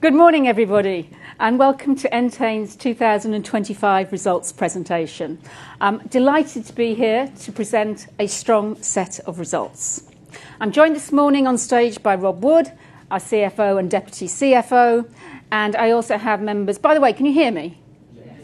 Good morning, everybody, and welcome to Entain's 2025 results presentation. I'm delighted to be here to present a strong set of results. I'm joined this morning on stage by Rob Wood, our Chief Financial Officer and Deputy Chief Financial Officer. By the way, can you hear me?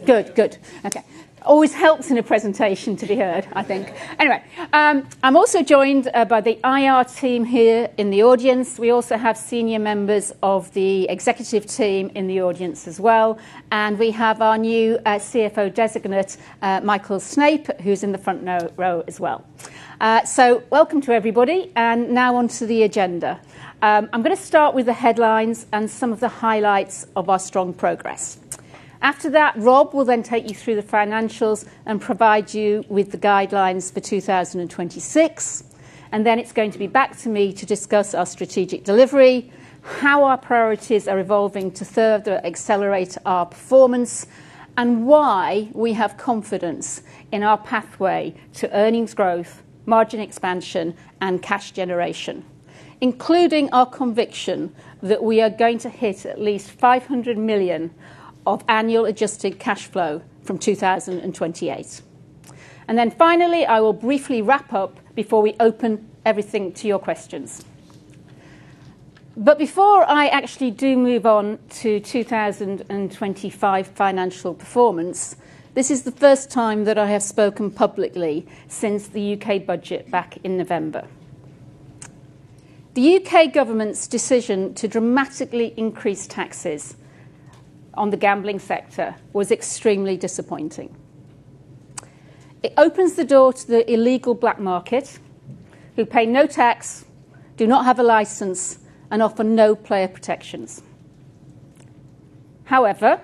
Good. Good. Okay. Always helps in a presentation to be heard, I think. Anyway, I'm also joined by the IR team here in the audience. We also have senior members of the executive team in the audience as well, and we have our new Chief Financial Officer Designate, Michael Snape, who's in the front no-row as well. Welcome to everybody, and now on to the agenda. I'm gonna start with the headlines and some of the highlights of our strong progress. After that, Rob will then take you through the financials and provide you with the guidelines for 2026. It's going to be back to me to discuss our strategic delivery, how our priorities are evolving to further accelerate our performance, and why we have confidence in our pathway to earnings growth, margin expansion, and cash generation, including our conviction that we are going to hit at least 500 million of annual adjusted cash flow from 2028. Finally, I will briefly wrap up before we open everything to your questions. Before I actually do move on to 2025 financial performance, this is the first time that I have spoken publicly since the U.K. budget back in November. The U.K. government's decision to dramatically increase taxes on the gambling sector was extremely disappointing. It opens the door to the illegal black market, who pay no tax, do not have a license, and offer no player protections. However,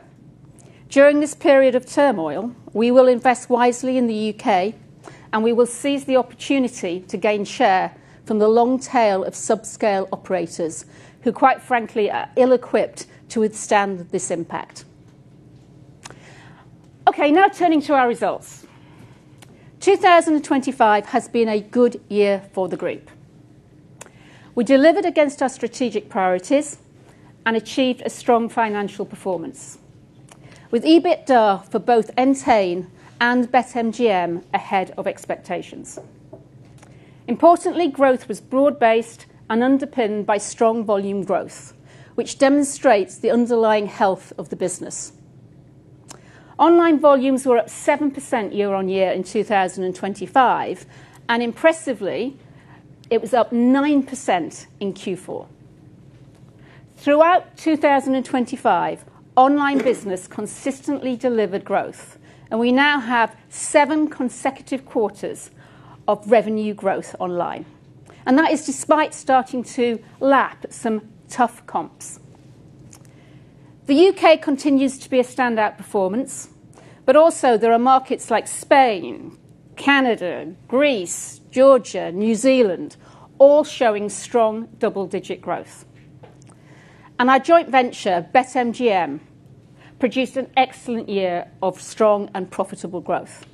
during this period of turmoil, we will invest wisely in the U.K., and we will seize the opportunity to gain share from the long tail of subscale operators who, quite frankly, are ill-equipped to withstand this impact. Okay, now turning to our results. 2025 has been a good year for the group. We delivered against our strategic priorities and achieved a strong financial performance. With EBITDA for both Entain and BetMGM ahead of expectations. Importantly, growth was broad-based and underpinned by strong volume growth, which demonstrates the underlying health of the business. Online volumes were up 7% year-on-year in 2025, and impressively, it was up 9% in Q4. Throughout 2025, online business consistently delivered growth, and we now have seven consecutive quarters of revenue growth online. That is despite starting to lap some tough comps. The U.K. continues to be a standout performance, but also there are markets like Spain, Canada, Greece, Georgia, New Zealand, all showing strong double-digit growth. Our joint venture, BetMGM, produced an excellent year of strong and profitable growth.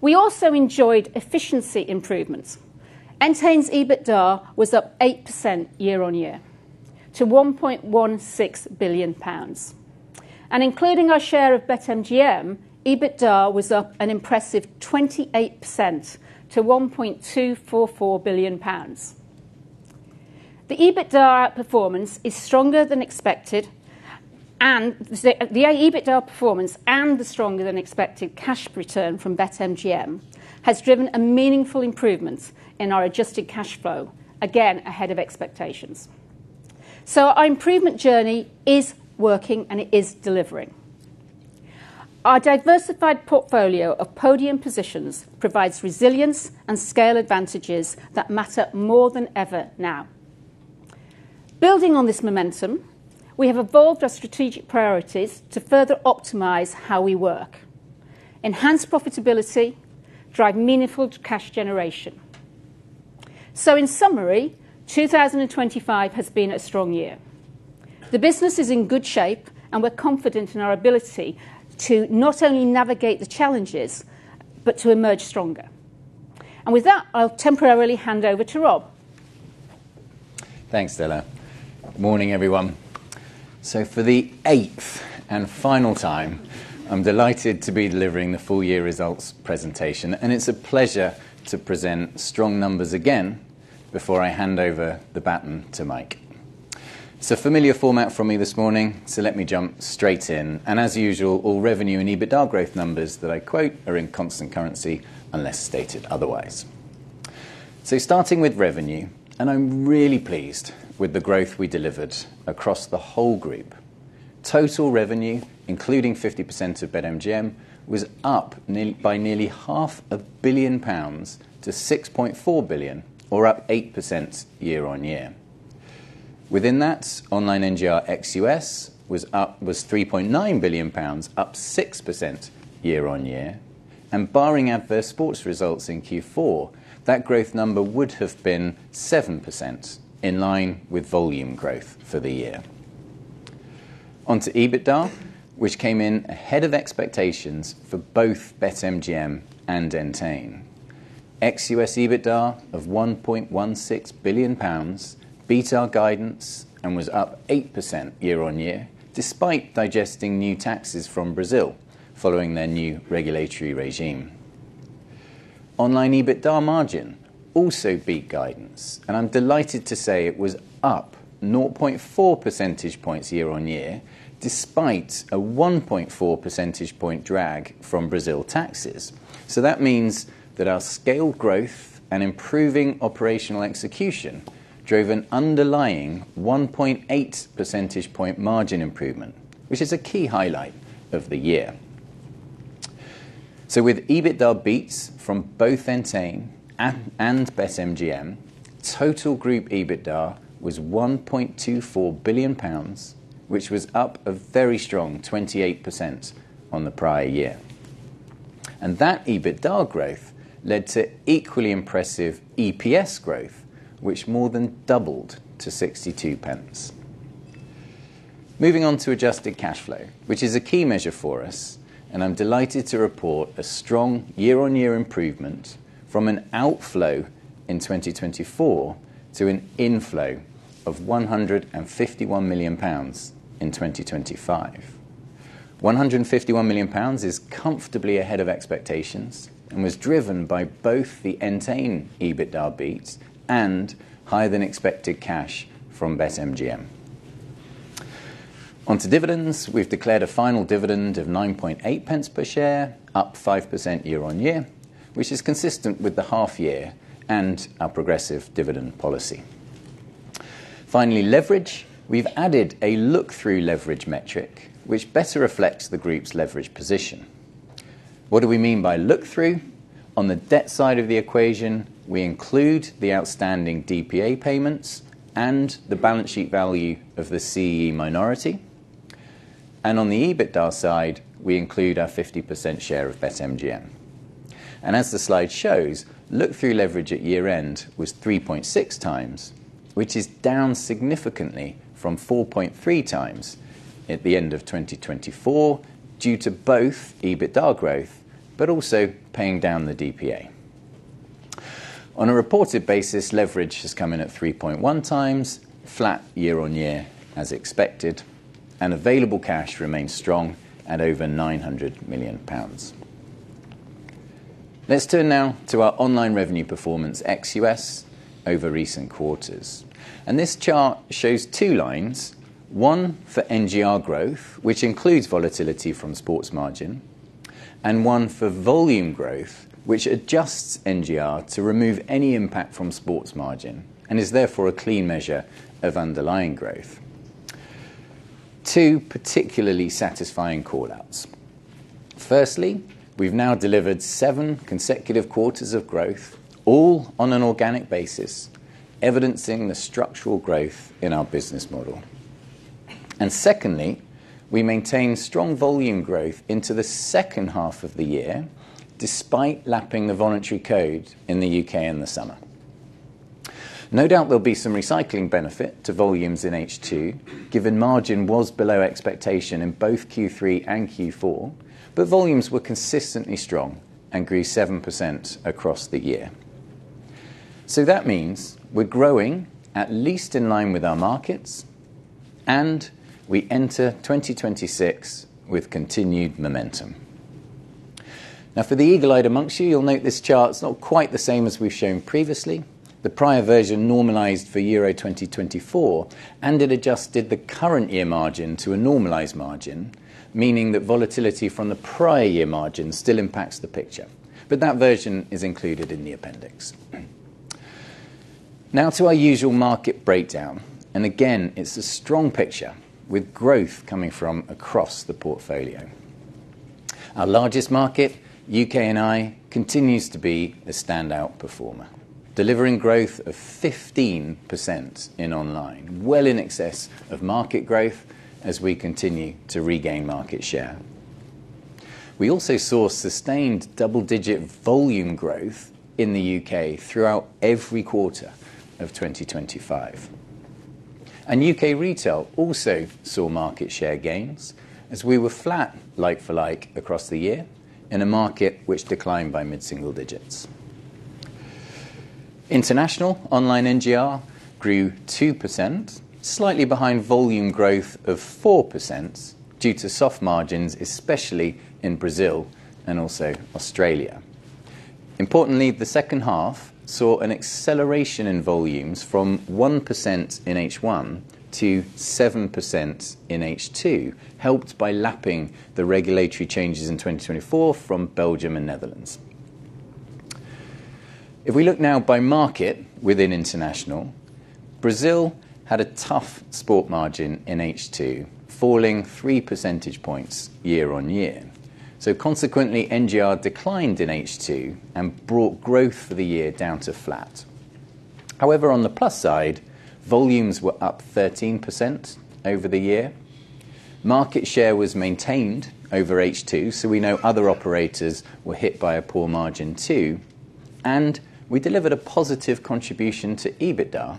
We also enjoyed efficiency improvements. Entain's EBITDA was up 8% year-over-year to 1.16 billion pounds. Including our share of BetMGM, EBITDA was up an impressive 28% to 1.244 billion pounds. The EBITDA performance is stronger than expected, and the EBITDA performance and the stronger than expected cash return from BetMGM has driven a meaningful improvement in our adjusted cash flow, again, ahead of expectations. Our improvement journey is working, and it is delivering. Our diversified portfolio of podium positions provides resilience and scale advantages that matter more than ever now. Building on this momentum, we have evolved our strategic priorities to further optimize how we work, enhance profitability, drive meaningful cash generation. In summary, 2025 has been a strong year. The business is in good shape, and we're confident in our ability to not only navigate the challenges, but to emerge stronger. With that, I'll temporarily hand over to Rob. Thanks, Stella. Morning, everyone. For the eighth and final time, I'm delighted to be delivering the full-year results presentation, and it's a pleasure to present strong numbers again before I hand over the baton to Mike. It's a familiar format from me this morning, let me jump straight in. As usual, all revenue and EBITDA growth numbers that I quote are in constant currency unless stated otherwise. Starting with revenue, I'm really pleased with the growth we delivered across the whole group. Total revenue, including 50% of BetMGM, was up by nearly 0.5 billion-6.4 billion pounds or up 8% year-on-year. Within that, online NGR ex U.S. was up 3.9 billion pounds, up 6% year-on-year. Barring adverse sports results in Q4, that growth number would have been 7% in line with volume growth for the year. On to EBITDA, which came in ahead of expectations for both BetMGM and Entain. Ex-US EBITDA of 1.16 billion pounds beat our guidance and was up 8% year-on-year, despite digesting new taxes from Brazil following their new regulatory regime. Online EBITDA margin also beat guidance, and I'm delighted to say it was up 0.4 percentage points year-on-year, despite a 1.4 percentage point drag from Brazil taxes. That means that our scale growth and improving operational execution drove an underlying 1.8 percentage point margin improvement, which is a key highlight of the year. With EBITDA beats from both Entain and BetMGM, total group EBITDA was 1.24 billion pounds, which was up a very strong 28% on the prior year. That EBITDA growth led to equally impressive EPS growth, which more than doubled to 0.62. Moving on to adjusted cash flow, which is a key measure for us, and I'm delighted to report a strong year-on-year improvement from an outflow in 2024 to an inflow of 151 million pounds in 2025. 151 million pounds is comfortably ahead of expectations and was driven by both the Entain EBITDA beats and higher than expected cash from BetMGM. On to dividends, we've declared a final dividend of 0.098 per share, up 5% year-on-year, which is consistent with the half year and our progressive dividend policy. Finally, leverage. We've added a look-through leverage metric, which better reflects the group's leverage position. What do we mean by look-through? On the debt side of the equation, we include the outstanding DPA payments and the balance sheet value of the CEE minority, and on the EBITDA side, we include our 50% share of BetMGM. As the slide shows, look-through leverage at year-end was 3.6x, which is down significantly from 4.3x at the end of 2024 due to both EBITDA growth but also paying down the DPA. On a reported basis, leverage has come in at 3.1x, flat year-on-year as expected, and available cash remains strong at over 900 million pounds. Let's turn now to our online revenue performance ex-US over recent quarters. This chart shows two lines, one for NGR growth, which includes volatility from sports margin, and one for volume growth, which adjusts NGR to remove any impact from sports margin and is therefore a clean measure of underlying growth. two particularly satisfying call-outs. Firstly, we've now delivered seven consecutive quarters of growth, all on an organic basis, evidencing the structural growth in our business model. Secondly, we maintain strong volume growth into the second half of the year, despite lapping the Voluntary Code in the U.K. in the summer. No doubt there'll be some recycling benefit to volumes in H2, given margin was below expectation in both Q3 and Q4, but volumes were consistently strong and grew 7% across the year. That means we're growing at least in line with our markets, and we enter 2026 with continued momentum. For the eagle-eyed amongst you'll note this chart's not quite the same as we've shown previously. The prior version normalized for 2024, it adjusted the current year margin to a normalized margin, meaning that volatility from the prior year margin still impacts the picture. That version is included in the appendix. To our usual market breakdown, again, it's a strong picture with growth coming from across the portfolio. Our largest market, UK&I, continues to be a standout performer, delivering growth of 15% in online, well in excess of market growth as we continue to regain market share. We also saw sustained double-digit volume growth in the U.K. throughout every quarter of 2025. U.K. retail also saw market share gains as we were flat like-for-like across the year in a market which declined by mid-single digits. International online NGR grew 2%, slightly behind volume growth of 4% due to soft margins, especially in Brazil and also Australia. Importantly, the second half saw an acceleration in volumes from 1% in H1 to 7% in H2, helped by lapping the regulatory changes in 2024 from Belgium and Netherlands. If we look now by market within international, Brazil had a tough sport margin in H2, falling 3 percentage points year-on-year. Consequently, NGR declined in H2 and brought growth for the year down to flat. However, on the plus side, volumes were up 13% over the year. Market share was maintained over H2, we know other operators were hit by a poor margin too. We delivered a positive contribution to EBITDA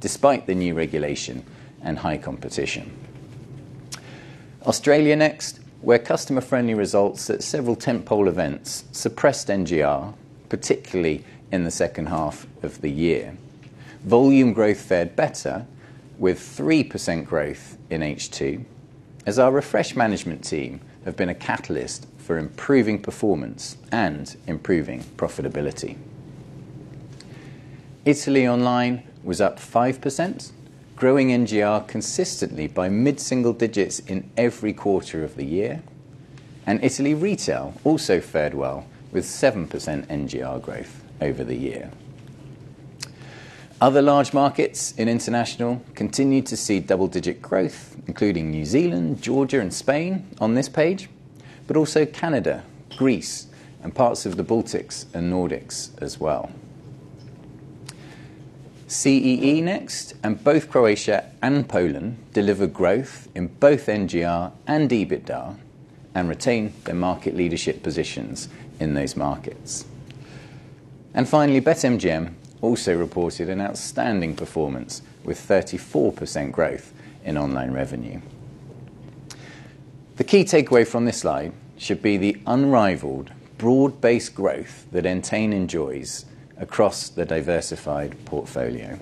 despite the new regulation and high competition. Australia next, where customer-friendly results at several tentpole events suppressed NGR, particularly in the second half of the year. Volume growth fared better with 3% growth in H2 as our refreshed management team have been a catalyst for improving performance and improving profitability. Italy Online was up 5%, growing NGR consistently by mid-single digits in every quarter of the year. Italy Retail also fared well with 7% NGR growth over the year. Other large markets in international continued to see double-digit growth, including New Zealand, Georgia and Spain on this page, but also Canada, Greece and parts of the Baltics and Nordics as well. CEE next, and both Croatia and Poland delivered growth in both NGR and EBITDA and retain their market leadership positions in those markets. Finally, BetMGM also reported an outstanding performance with 34% growth in online revenue. The key takeaway from this slide should be the unrivaled broad-based growth that Entain enjoys across the diversified portfolio.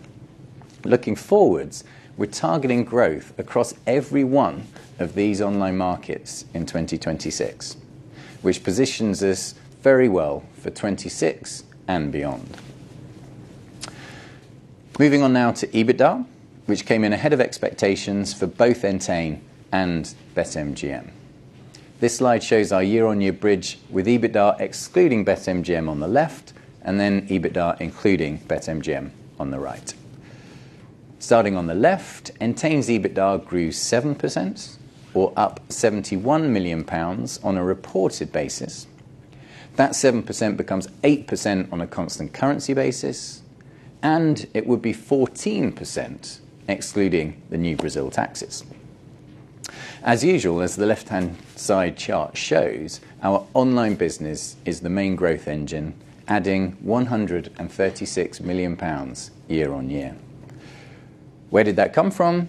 Looking forwards, we're targeting growth across every one of these online markets in 2026, which positions us very well for 2026 and beyond. Moving on now to EBITDA, which came in ahead of expectations for both Entain and BetMGM. This slide shows our year-on-year bridge with EBITDA excluding BetMGM on the left and then EBITDA including BetMGM on the right. Starting on the left, Entain's EBITDA grew 7% or up 71 million pounds on a reported basis. That 7% becomes 8% on a constant currency basis, and it would be 14% excluding the new Brazil taxes. As usual, as the left-hand side chart shows, our online business is the main growth engine, adding 136 million pounds year-on-year. Where did that come from?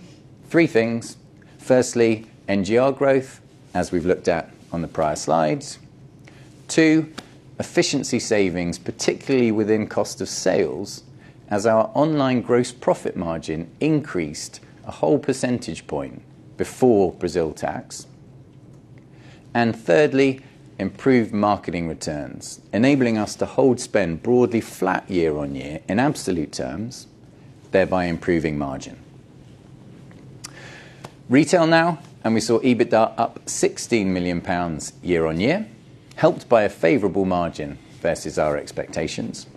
three things. Firstly, NGR growth, as we've looked at on the prior slides. two, efficiency savings, particularly within cost of sales, as our online gross profit margin increased a whole percentage point before Brazil tax. Thirdly, improved marketing returns, enabling us to hold spend broadly flat year-on-year in absolute terms, thereby improving margin. Retail now, we saw EBITDA up 16 million pounds year-on-year, helped by a favorable margin versus our expectations.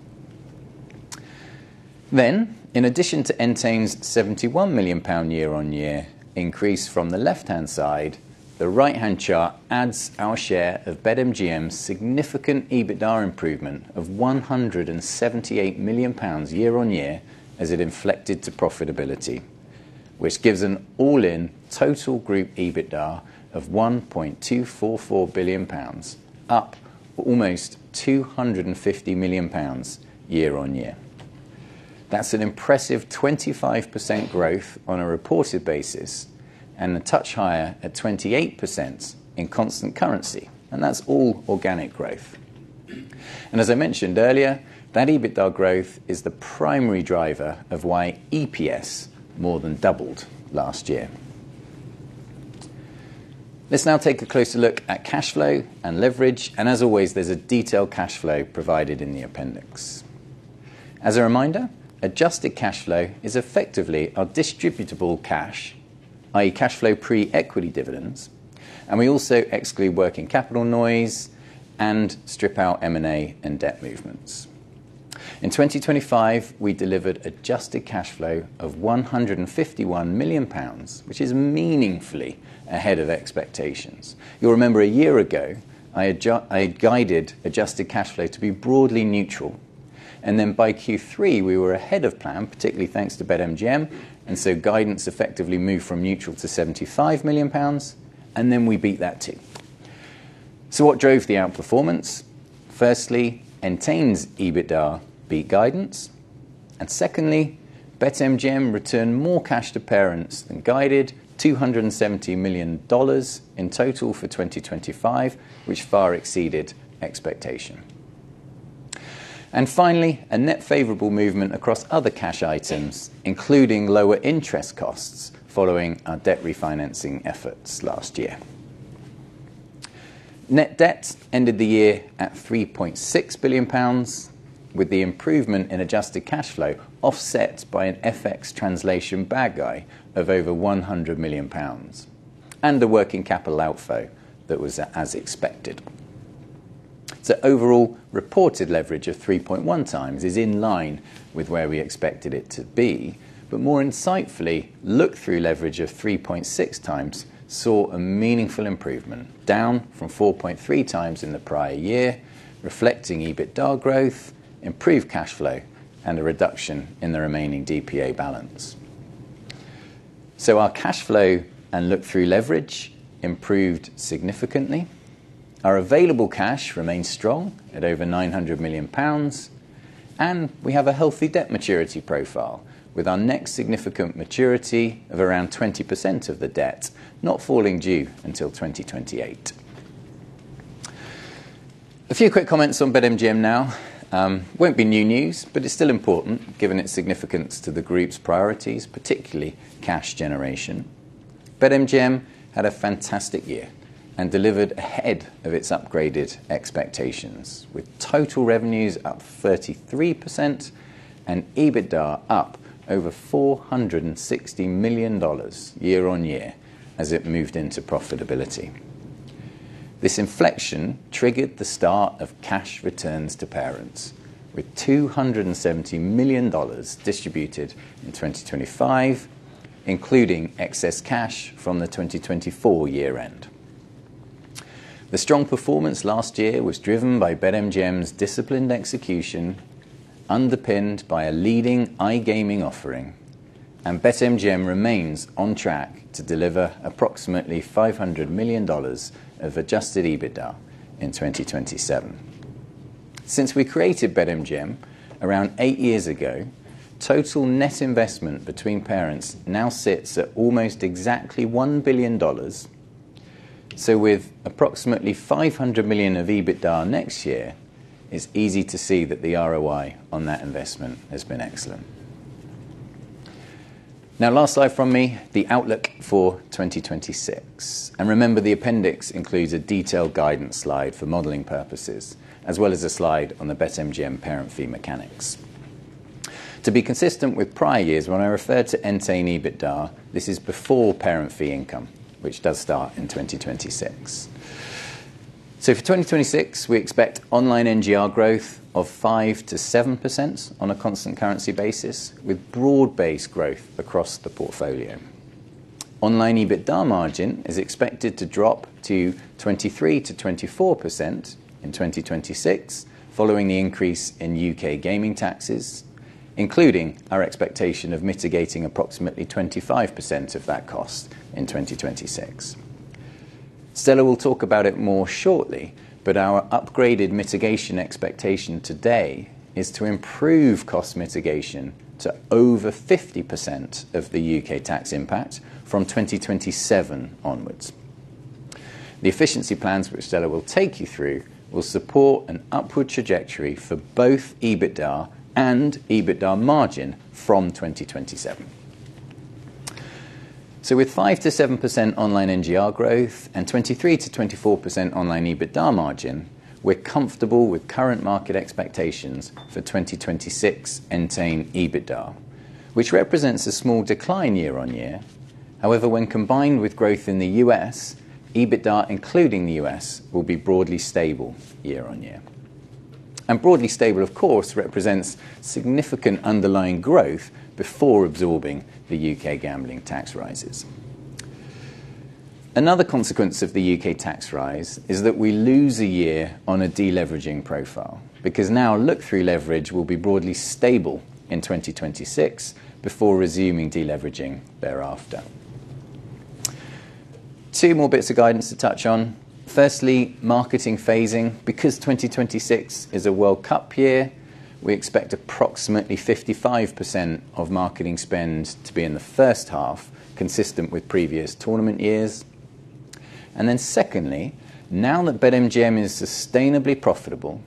In addition to Entain's 71 million pound year-on-year increase from the left-hand side, the right-hand chart adds our share of BetMGM's significant EBITDA improvement of 178 million pounds year-on-year as it inflected to profitability, which gives an all-in total group EBITDA of 1.244 billion pounds, up almost 250 million pounds year-on-year. That's an impressive 25% growth on a reported basis and a touch higher at 28% in constant currency, and that's all organic growth. As I mentioned earlier, that EBITDA growth is the primary driver of why EPS more than doubled last year. Let's now take a closer look at cash flow and leverage, and as always, there's a detailed cash flow provided in the appendix. As a reminder, adjusted cash flow is effectively our distributable cash, i.e. cash flow pre-equity dividends, and we also exclude working capital noise and strip out M&A and debt movements. In 2025, we delivered adjusted cash flow of 151 million pounds, which is meaningfully ahead of expectations. You'll remember a year ago, I had guided adjusted cash flow to be broadly neutral, and then by Q3 we were ahead of plan, particularly thanks to BetMGM, and so guidance effectively moved from neutral to 75 million pounds, and then we beat that too. What drove the outperformance? Firstly, Entain's EBITDA beat guidance, and secondly, BetMGM returned more cash to parents than guided, $270 million in total for 2025, which far exceeded expectation. Finally, a net favorable movement across other cash items, including lower interest costs following our debt refinancing efforts last year. Net debt ended the year at GBP 3.6 billion, with the improvement in adjusted cash flow offset by an FX translation bad guy of over 100 million pounds and the working capital outfo that was as expected. Overall, reported leverage of 3.1x is in line with where we expected it to be, but more insightfully, look-through leverage of 3.6x saw a meaningful improvement, down from 4.3x in the prior year, reflecting EBITDA growth, improved cash flow, and a reduction in the remaining DPA balance. Our cash flow and look-through leverage improved significantly. Our available cash remains strong at over 900 million pounds, and we have a healthy debt maturity profile with our next significant maturity of around 20% of the debt not falling due until 2028. A few quick comments on BetMGM now. Won't be new news, but it's still important given its significance to the group's priorities, particularly cash generation. BetMGM had a fantastic year and delivered ahead of its upgraded expectations, with total revenues up 33% and EBITDA up over $460 million year-on-year as it moved into profitability. This inflection triggered the start of cash returns to parents, with $270 million distributed in 2025, including excess cash from the 2024 year end. The strong performance last year was driven by BetMGM's disciplined execution, underpinned by a leading iGaming offering, and BetMGM remains on track to deliver approximately $500 million of adjusted EBITDA in 2027. Since we created BetMGM around eight years ago, total net investment between parents now sits at almost exactly $1 billion. With approximately $500 million of EBITDA next year, it's easy to see that the ROI on that investment has been excellent. Last slide from me, the outlook for 2026. Remember, the appendix includes a detailed guidance slide for modeling purposes, as well as a slide on the BetMGM Parent Fee mechanics. To be consistent with prior years, when I refer to Entain EBITDA, this is before Parent Fee income, which does start in 2026. For 2026, we expect online NGR growth of 5%-7% on a constant currency basis, with broad-based growth across the portfolio. Online EBITDA margin is expected to drop to 23%-24% in 2026 following the increase in U.K. gaming taxes, including our expectation of mitigating approximately 25% of that cost in 2026. Stella will talk about it more shortly, our upgraded mitigation expectation today is to improve cost mitigation to over 50% of the U.K. tax impact from 2027 onwards. The efficiency plans which Stella will take you through will support an upward trajectory for both EBITDA and EBITDA margin from 2027. With 5%-7% online NGR growth and 23%-24% online EBITDA margin, we're comfortable with current market expectations for 2026 Entain EBITDA, which represents a small decline year-on-year. However, when combined with growth in the U.S., EBITDA, including the U.S., will be broadly stable year-on-year. Broadly stable, of course, represents significant underlying growth before absorbing the U.K. gambling tax rises. Another consequence of the U.K. tax rise is that we lose a year on a deleveraging profile because now look-through leverage will be broadly stable in 2026 before resuming deleveraging thereafter. Two more bits of guidance to touch on. Firstly, marketing phasing. Because 2026 is a World Cup year, we expect approximately 55% of marketing spend to be in the first half, consistent with previous tournament years. Secondly, now that BetMGM is sustainably profitable,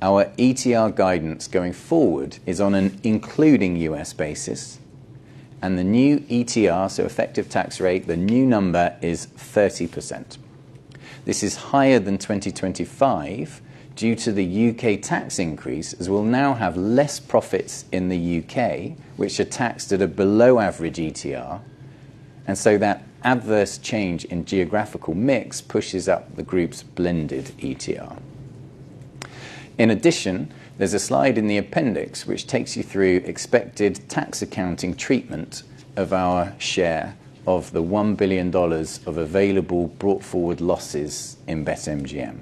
our ETR guidance going forward is on an including U.S., basis and the new ETR, so effective tax rate, the new number is 30%. This is higher than 2025 due to the U.K. tax increase, as we'll now have less profits in the U.K. which are taxed at a below-average ETR. That adverse change in geographical mix pushes up the group's blended ETR. In addition, there's a slide in the appendix which takes you through expected tax accounting treatment of our share of the $1 billion of available brought-forward losses in BetMGM.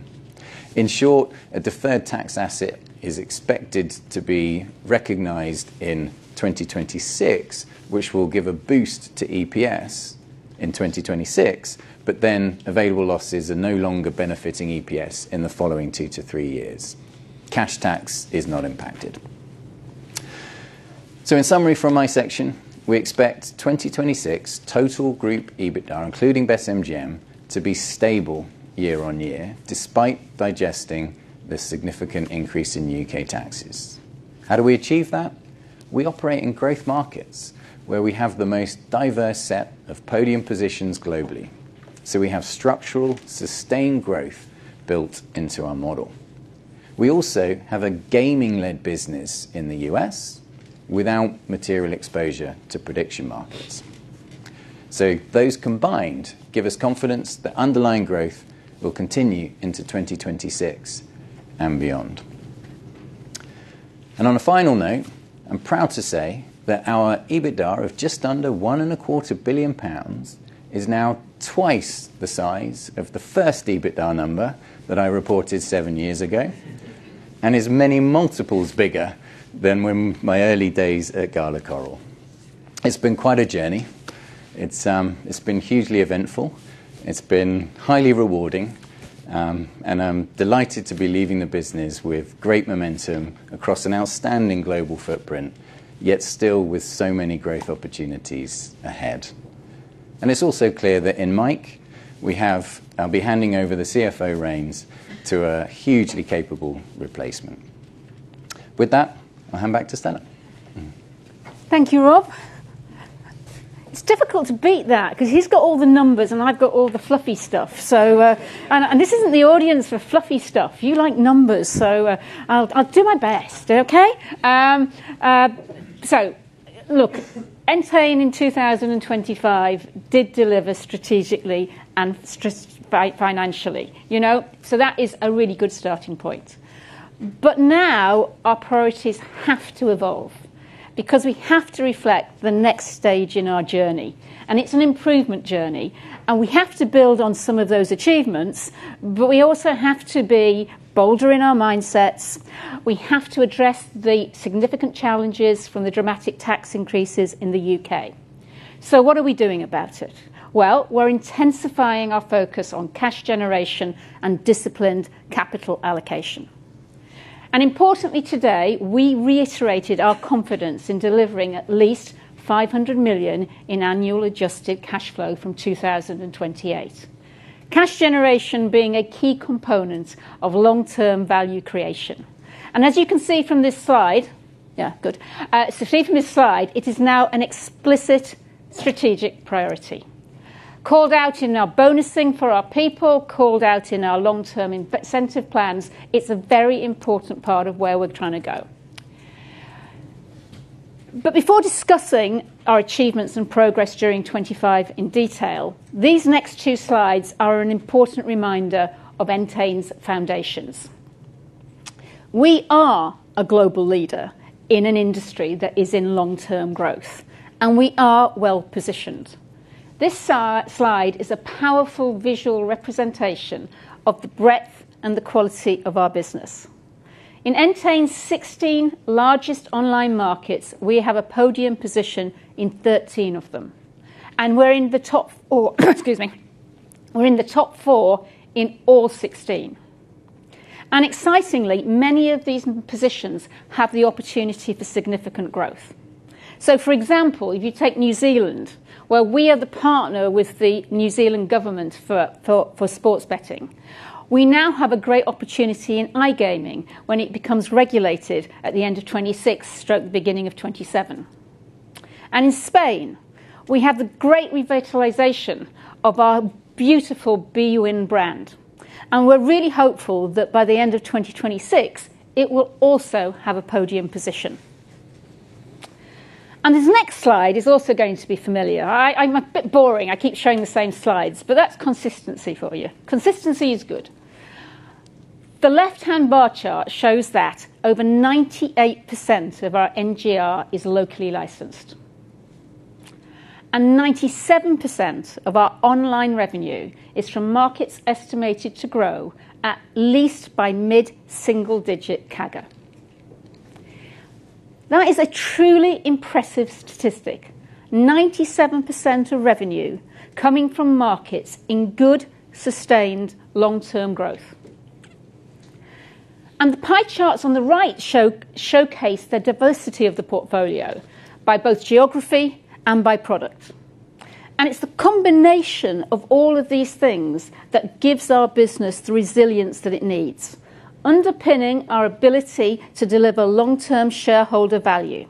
In short, a deferred tax asset is expected to be recognized in 2026, which will give a boost to EPS in 2026, but then available losses are no longer benefiting EPS in the following two to three-years. Cash tax is not impacted. In summary from my section, we expect 2026 total group EBITDA, including BetMGM, to be stable year-on-year despite digesting the significant increase in U.K. taxes. How do we achieve that? We operate in growth markets where we have the most diverse set of podium positions globally. We have structural sustained growth built into our model. We also have a gaming-led business in the U.S. without material exposure to prediction markets. Those combined give us confidence that underlying growth will continue into 2026 and beyond. On a final note, I'm proud to say that our EBITDA of just under one and a quarter billion pounds is now twice the size of the first EBITDA number that I reported seven-years ago. Is many multiples bigger than when my early days at Gala Coral. It's been quite a journey. It's, it's been hugely eventful, it's been highly rewarding, and I'm delighted to be leaving the business with great momentum across an outstanding global footprint, yet still with so many great opportunities ahead. It's also clear that in Mike, I'll be handing over the Chief Financial Officer reins to a hugely capable replacement. With that, I'll hand back to Stella. Thank you, Rob. It's difficult to beat that 'cause he's got all the numbers and I've got all the fluffy stuff. This isn't the audience for fluffy stuff. You like numbers. I'll do my best, okay? Look, Entain in 2025 did deliver strategically and financially, you know. That is a really good starting point. Now our priorities have to evolve because we have to reflect the next stage in our journey. It's an improvement journey, and we have to build on some of those achievements, but we also have to be bolder in our mindsets. We have to address the significant challenges from the dramatic tax increases in the U.K. What are we doing about it? Well, we're intensifying our focus on cash generation and disciplined capital allocation. Importantly today, we reiterated our confidence in delivering at least 500 million in annual adjusted cash flow from 2028. Cash generation being a key component of long-term value creation. As you can see from this slide, it is now an explicit strategic priority. Called out in our bonusing for our people, called out in our long-term incentive plans. It's a very important part of where we're trying to go. Before discussing our achievements and progress during 2025 in detail, these next two slides are an important reminder of Entain's foundations. We are a global leader in an industry that is in long-term growth, and we are well-positioned. This slide is a powerful visual representation of the breadth and the quality of our business. In Entain's 16 largest online markets, we have a podium position in 13 of them. Excuse me. We're in the top four in all 16. Excitingly, many of these positions have the opportunity for significant growth. For example, if you take New Zealand, where we are the partner with the New Zealand government for sports betting, we now have a great opportunity in iGaming when it becomes regulated at the end of 2026 stroke the beginning of 2027. In Spain, we have the great revitalization of our beautiful bwin brand, and we're really hopeful that by the end of 2026 it will also have a podium position. This next slide is also going to be familiar. I'm a bit boring, I keep showing the same slides, but that's consistency for you. Consistency is good. The left-hand bar chart shows that over 98% of our NGR is locally licensed, and 97% of our online revenue is from markets estimated to grow at least by mid-single-digit CAGR. That is a truly impressive statistic, 97% of revenue coming from markets in good, sustained long-term growth. The pie charts on the right showcase the diversity of the portfolio by both geography and by product. It's the combination of all of these things that gives our business the resilience that it needs, underpinning our ability to deliver long-term shareholder value.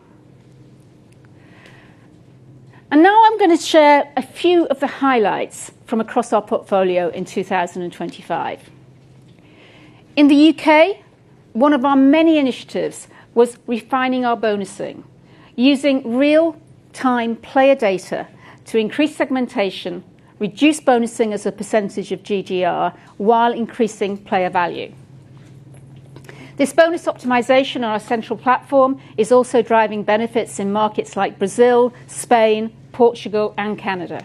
Now I'm gonna share a few of the highlights from across our portfolio in 2025. In the U.K., one of our many initiatives was refining our bonusing, using real-time player data to increase segmentation, reduce bonusing as a % of GGR while increasing player value. This bonus optimization on our central platform is also driving benefits in markets like Brazil, Spain, Portugal, and Canada.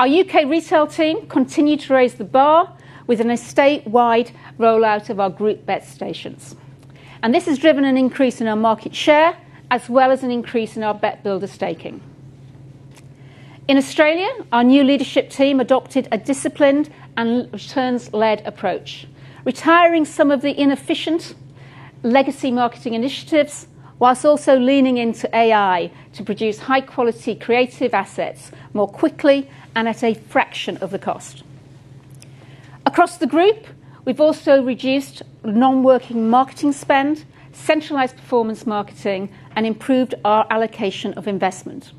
Our U.K. retail team continued to raise the bar with an estate-wide rollout of our group bet stations. This has driven an increase in our market share as well as an increase in our Bet Builder staking. In Australia, our new leadership team adopted a disciplined and returns-led approach, retiring some of the inefficient legacy marketing initiatives, while also leaning into AI to produce high-quality creative assets more quickly and at a fraction of the cost. Across the group, we've also reduced non-working marketing spend, centralized performance marketing, and improved our allocation of investment.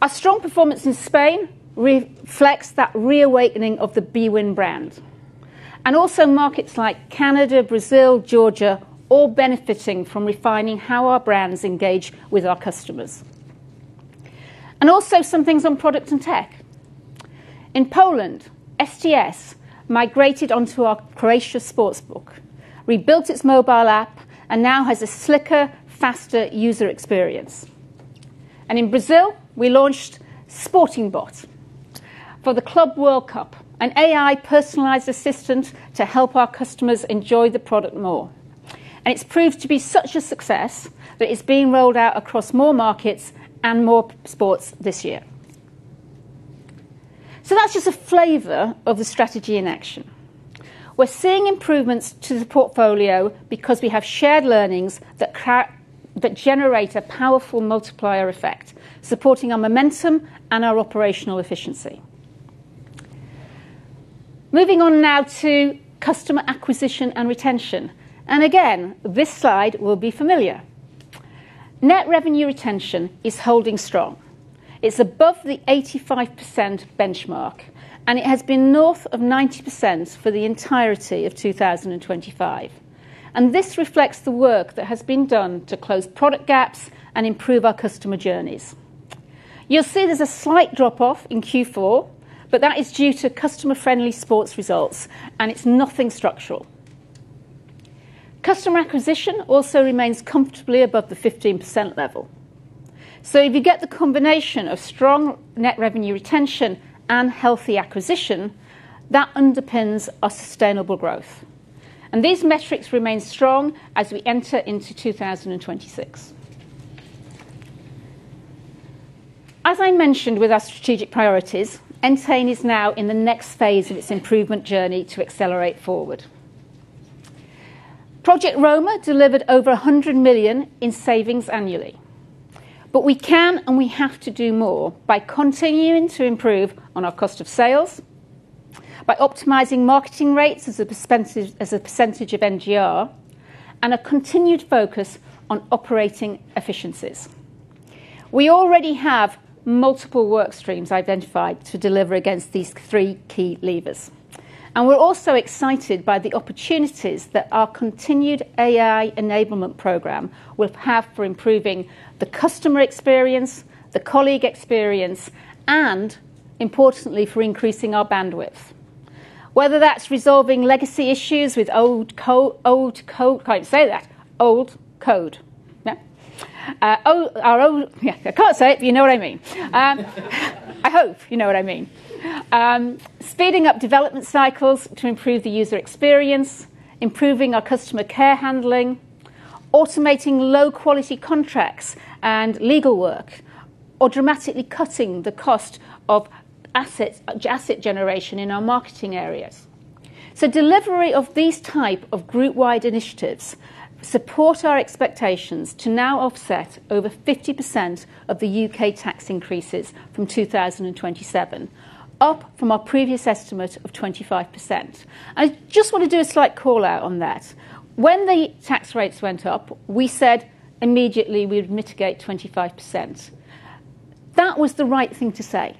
Our strong performance in Spain reflects that reawakening of the bwin brand. Also markets like Canada, Brazil, Georgia, all benefiting from refining how our brands engage with our customers. Also some things on product and tech. In Poland, STS migrated onto our Croatia sports book, rebuilt its mobile app, and now has a slicker, faster user experience. In Brazil, we launched Sporting Bot for the Club World Cup, an AI personalized assistant to help our customers enjoy the product more. It's proved to be such a success that it's being rolled out across more markets and more sports this year. That's just a flavor of the strategy in action. We're seeing improvements to the portfolio because we have shared learnings that generate a powerful multiplier effect, supporting our momentum and our operational efficiency. Moving on now to customer acquisition and retention. Again, this slide will be familiar. Net revenue retention is holding strong. It's above the 85% benchmark. It has been north of 90% for the entirety of 2025. This reflects the work that has been done to close product gaps and improve our customer journeys. You'll see there's a slight drop off in Q4. That is due to customer-friendly sports results. It's nothing structural. Customer acquisition also remains comfortably above the 15% level. If you get the combination of strong net revenue retention and healthy acquisition, that underpins our sustainable growth. These metrics remain strong as we enter into 2026. As I mentioned with our strategic priorities, Entain is now in the next phase of its improvement journey to accelerate forward. Project Roma delivered over 100 million in savings annually. We can and we have to do more by continuing to improve on our cost of sales, by optimizing marketing rates as a percentage of NGR, and a continued focus on operating efficiencies. We already have multiple work streams identified to deliver against these three key levers. We're also excited by the opportunities that our continued AI enablement program will have for improving the customer experience, the colleague experience, and importantly, for increasing our bandwidth. Whether that's resolving legacy issues, can't say that. Old code. No. our own. Yeah, I can't say it, but you know what I mean. I hope you know what I mean. Speeding up development cycles to improve the user experience, improving our customer care handling, automating low-quality contracts and legal work, or dramatically cutting the cost of asset generation in our marketing areas. Delivery of these type of group-wide initiatives support our expectations to now offset over 50% of the U.K. tax increases from 2027, up from our previous estimate of 25%. I just wanna do a slight call-out on that. When the tax rates went up, we said immediately we would mitigate 25%. That was the right thing to say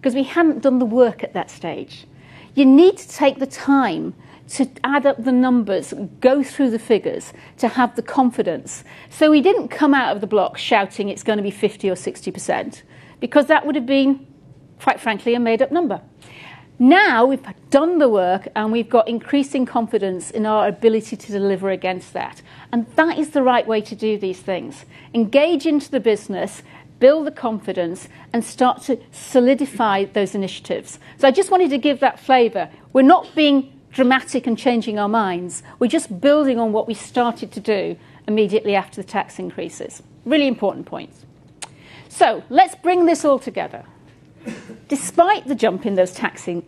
'cause we hadn't done the work at that stage. You need to take the time to add up the numbers, go through the figures, to have the confidence. We didn't come out of the block shouting it's gonna be 50% or 60% because that would have been, quite frankly, a made-up number. Now, we've done the work, and we've got increasing confidence in our ability to deliver against that, and that is the right way to do these things. Engage into the business, build the confidence, and start to solidify those initiatives. I just wanted to give that flavor. We're not being dramatic and changing our minds. We're just building on what we started to do immediately after the tax increases. Really important points. Let's bring this all together. Despite the jump in those taxes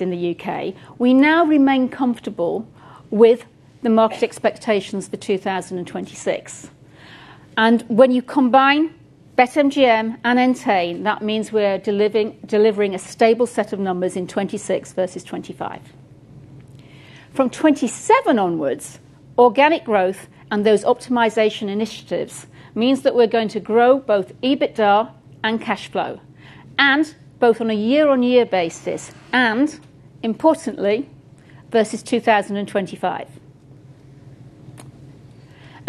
in the U.K., we now remain comfortable with the market expectations for 2026. When you combine BetMGM and Entain, that means we're delivering a stable set of numbers in 2026 versus 2025. From 2027 onwards, organic growth and those optimization initiatives means that we're going to grow both EBITDA and cash flow, and both on a year-on-year basis and, importantly, versus 2025.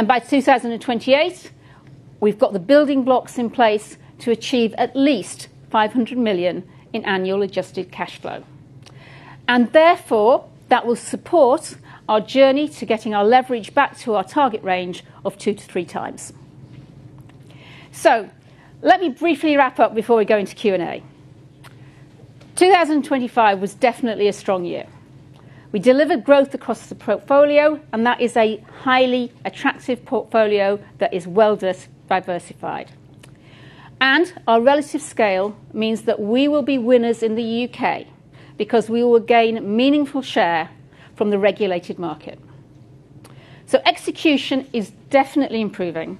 By 2028, we've got the building blocks in place to achieve at least 500 million in annual adjusted cash flow. Therefore, that will support our journey to getting our leverage back to our target range of two to three times. Let me briefly wrap up before we go into Q&A. 2025 was definitely a strong year. We delivered growth across the portfolio, and that is a highly attractive portfolio that is well diversified. Our relative scale means that we will be winners in the U.K. because we will gain meaningful share from the regulated market. Execution is definitely improving.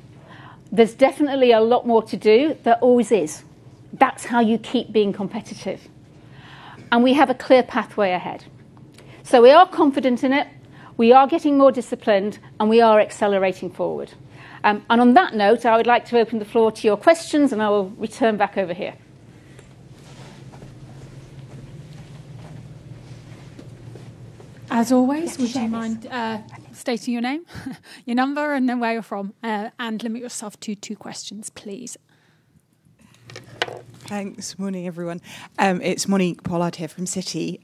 There's definitely a lot more to do. There always is. That's how you keep being competitive. We have a clear pathway ahead. We are confident in it, we are getting more disciplined, and we are accelerating forward. On that note, I would like to open the floor to your questions, and I will return back over here. As always. Yeah, share this. Would you mind, stating your name, your number, and then where you're from, and limit yourself to two questions, please. Thanks. Morning, everyone. It's Monique Pollard here from Citi.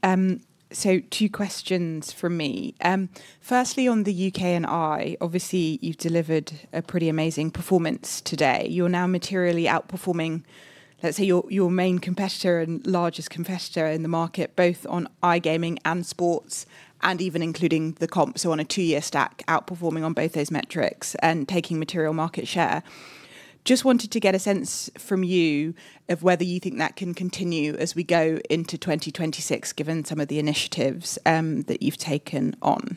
Two questions from me. Firstly, on the U.K. and I, obviously you've delivered a pretty amazing performance today. You're now materially outperforming, let's say, your main competitor and largest competitor in the market, both on iGaming and sports, and even including the comp, on a two-years stack, outperforming on both those metrics and taking material market share. Just wanted to get a sense from you of whether you think that can continue as we go into 2026, given some of the initiatives, that you've taken on.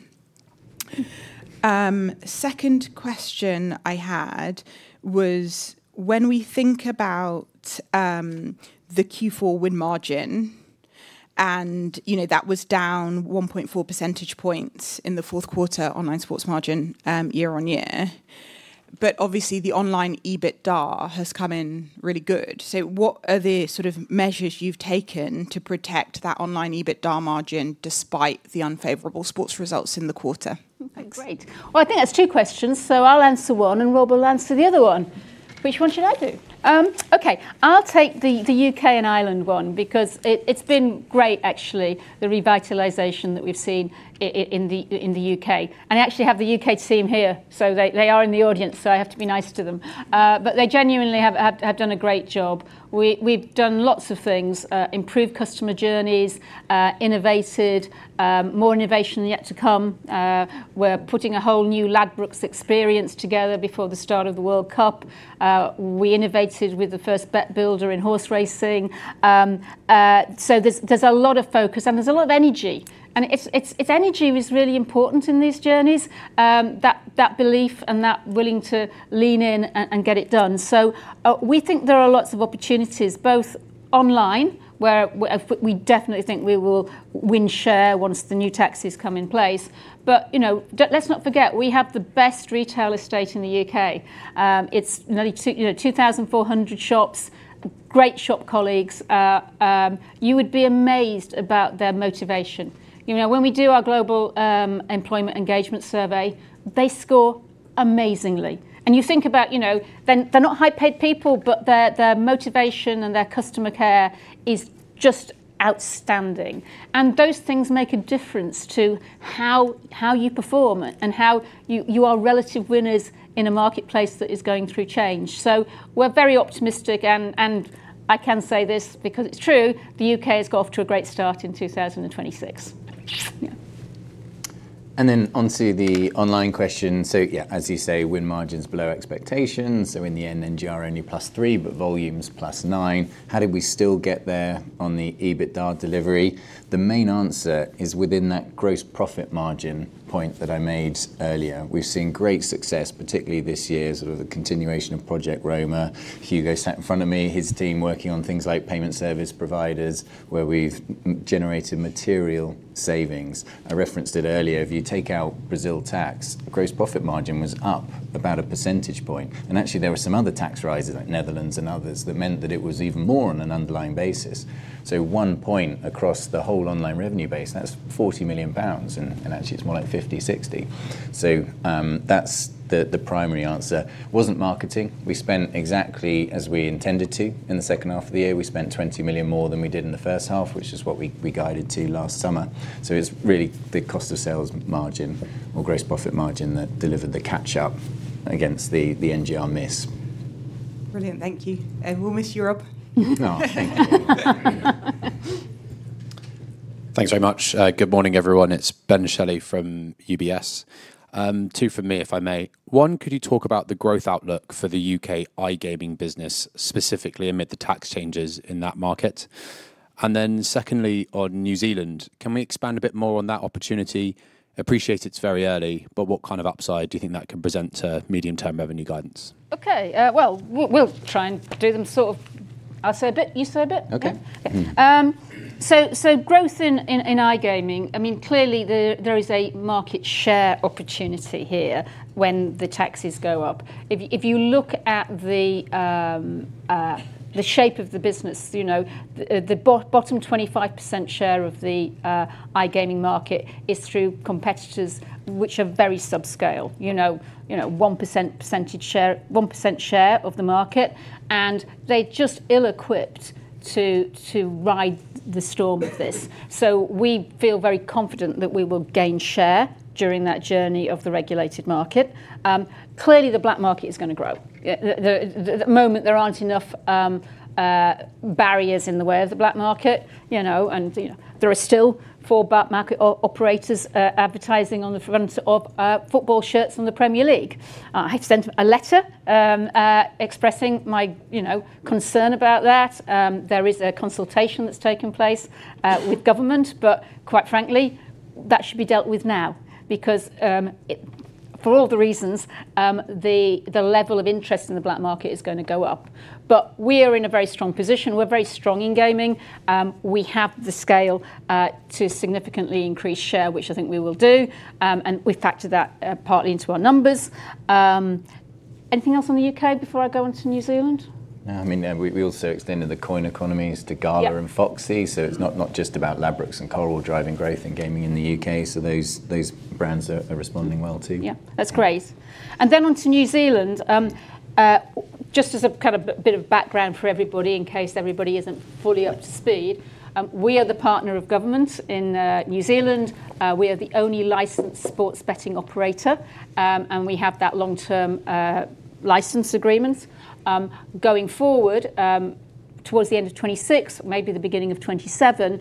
Second question I had was, when we think about, the Q4 win margin, and, you know, that was down 1.4 percentage points in the fourth quarter online sports margin, year-on-year. Obviously the online EBITDA has come in really good. What are the sort of measures you've taken to protect that online EBITDA margin despite the unfavorable sports results in the quarter? Thanks. I think that's two questions, so I'll answer one and Rob will answer the other one. Which one should I do? Okay. I'll take the U.K. and Ireland one because it's been great actually, the revitalization that we've seen in the U.K. I actually have the U.K team here, so they are in the audience, so I have to be nice to them. They genuinely have done a great job. We've done lots of things, improved customer journeys, innovated, more innovation yet to come. We're putting a whole new Ladbrokes experience together before the start of the World Cup. We innovated with the first Bet Builder in horse racing. There's a lot of focus and there's a lot of energy. It's energy is really important in these journeys, that belief and that willing to lean in and get it done. We think there are lots of opportunities both online, where we definitely think we will win share once the new taxes come in place. You know, let's not forget, we have the best retail estate in the U.K. It's nearly 2,400 shops, great shop colleagues. You would be amazed about their motivation. You know, when we do our global employment engagement survey, they score amazingly. You think about, you know, they're not high-paid people, but their motivation and their customer care is just outstanding. Those things make a difference to how you perform and how you are relative winners in a marketplace that is going through change. We're very optimistic, and I can say this because it's true, the U.K. has got off to a great start in 2026. Yeah. Onto the online question. As you say, win margin's below expectations, in the end, NGR only +3, but volumes +9. How did we still get there on the EBITDA delivery? The main answer is within that gross profit margin point that I made earlier. We've seen great success, particularly this year, sort of the continuation of Project Roma. Hugo sat in front of me, his team working on things like payment service providers, where we've generated material savings. I referenced it earlier, if you take out Brazil tax, gross profit margin was up about a percentage point. Actually, there were some other tax rises like Netherlands and others that meant that it was even more on an underlying basis. 1 point across the whole online revenue base, and that's 40 million pounds, and actually it's more like 50, 60. That's the primary answer. Wasn't marketing. We spent exactly as we intended to in the second half of the year. We spent 20 million more than we did in the first half, which is what we guided to last summer. It's really the cost of sales margin or gross profit margin that delivered the catch up against the NGR miss. Brilliant. Thank you. We'll miss you, Rob. Oh, thank you. Thanks very much. Good morning, everyone. It's Ben Shelley from UBS. Two from me, if I may. One, could you talk about the growth outlook for the U.K. iGaming business, specifically amid the tax changes in that market? Secondly, on New Zealand, can we expand a bit more on that opportunity? Appreciate it's very early, but what kind of upside do you think that can present to medium-term revenue guidance? Okay. Well, we'll try and do them sort of. I'll say a bit, you say a bit. Okay. Yeah. so growth in iGaming, I mean, clearly there is a market share opportunity here when the taxes go up. If you look at the shape of the business, you know, the bottom 25% share of the iGaming market is through competitors which are very subscale. You know? You know, 1% share of the market, and they're just ill-equipped to ride the storm of this. We feel very confident that we will gain share during that journey of the regulated market. clearly the black market is gonna grow. The moment there aren't enough barriers in the way of the black market, you know, and, you know, there are still four black market operators advertising on the front of football shirts in the Premier League. I sent a letter, expressing my, you know, concern about that. There is a consultation that's taking place, with government, but quite frankly, that should be dealt with now. Because, for all the reasons, the level of interest in the black market is gonna go up. We are in a very strong position. We're very strong in gaming. We have the scale, to significantly increase share, which I think we will do. We factor that, partly into our numbers. Anything else on the U.K. before I go onto New Zealand? No, I mean, yeah, we also extended the coin economies. Yep Gala and Foxy. It's not just about Ladbrokes and Coral driving growth and gaming in the U.K.. Those brands are responding well too. Yeah. That's great. Then on to New Zealand, just as a kind of bit of background for everybody in case everybody isn't fully up to speed, we are the partner of government in New Zealand. We are the only licensed sports betting operator, and we have that long-term license agreement. Going forward, towards the end of 2026, maybe the beginning of 2027,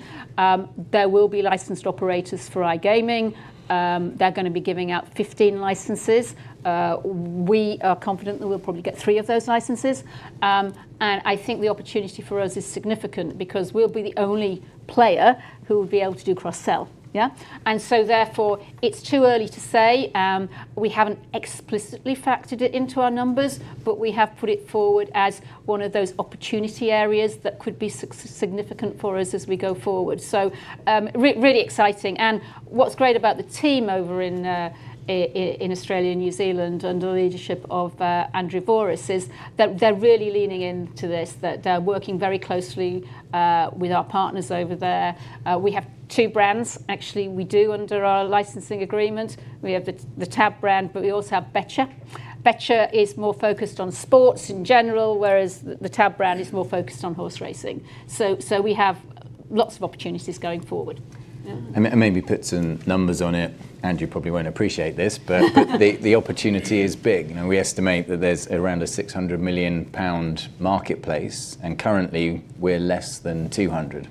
there will be licensed operators for iGaming. They're gonna be giving out 15 licenses. We are confident that we'll probably get three of those licenses. I think the opportunity for us is significant because we'll be the only player who will be able to do cross-sell. Yeah? Therefore, it's too early to say, we haven't explicitly factored it into our numbers, but we have put it forward as one of those opportunity areas that could be significant for us as we go forward. Really exciting. What's great about the team over in Australia and New Zealand under the leadership of Andrew Vouris, is that they're really leaning into this, that they're working very closely with our partners over there. We have two brands. Actually, we do under our licensing agreement. We have the TAB brand, but we also have Betcha. Betcha is more focused on sports in general, whereas the TAB brand is more focused on horse racing. So we have lots of opportunities going forward. Yeah. Maybe put some numbers on it, Andrew probably won't appreciate this. The opportunity is big. You know, we estimate that there's around a 600 million pound marketplace, and currently we're less than 200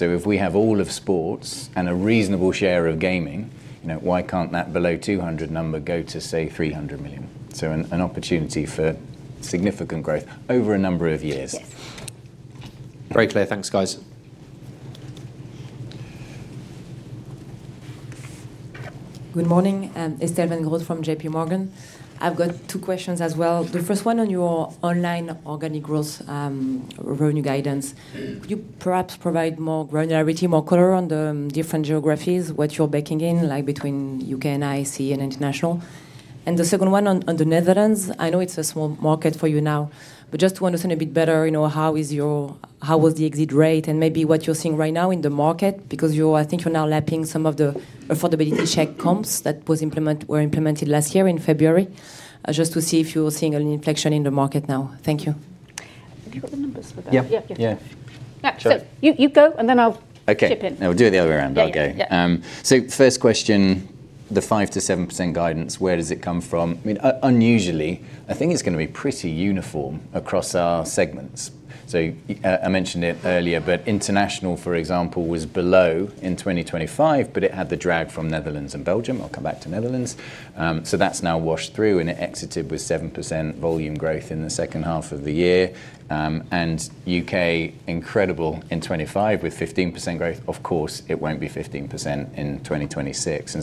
million. If we have all of sports and a reasonable share of gaming, you know, why can't that below 200 million number go to, say, 300 million? An opportunity for significant growth over a number of years. Yes. Very clear. Thanks, guys. Good morning. Estelle Weingrod from J.P. Morgan. I've got two questions as well. The first one on your online organic growth, revenue guidance. Could you perhaps provide more granularity, more color on the different geographies, what you're baking in, like between U.K. and IC and international? The second one on the Netherlands, I know it's a small market for you now, but just to understand a bit better, you know, how was the exit rate and maybe what you're seeing right now in the market because I think you're now lapping some of the affordability check comps that were implemented last year in February, just to see if you're seeing an inflection in the market now. Thank you. Have you got the numbers for that? Yeah. Yeah. Yeah. Sure. You go and then I'll... Okay Chip in. No, we'll do it the other way around. I'll go. Yeah. Yeah. First question, the 5%-7% guidance, where does it come from? I mean, unusually, I think it's gonna be pretty uniform across our segments. I mentioned it earlier, but international, for example, was below in 2025, but it had the drag from Netherlands and Belgium. I'll come back to Netherlands. That's now washed through, and it exited with 7% volume growth in the second half of the year. U.K. incredible in 2025 with 15% growth. Of course, it won't be 15% in 2026.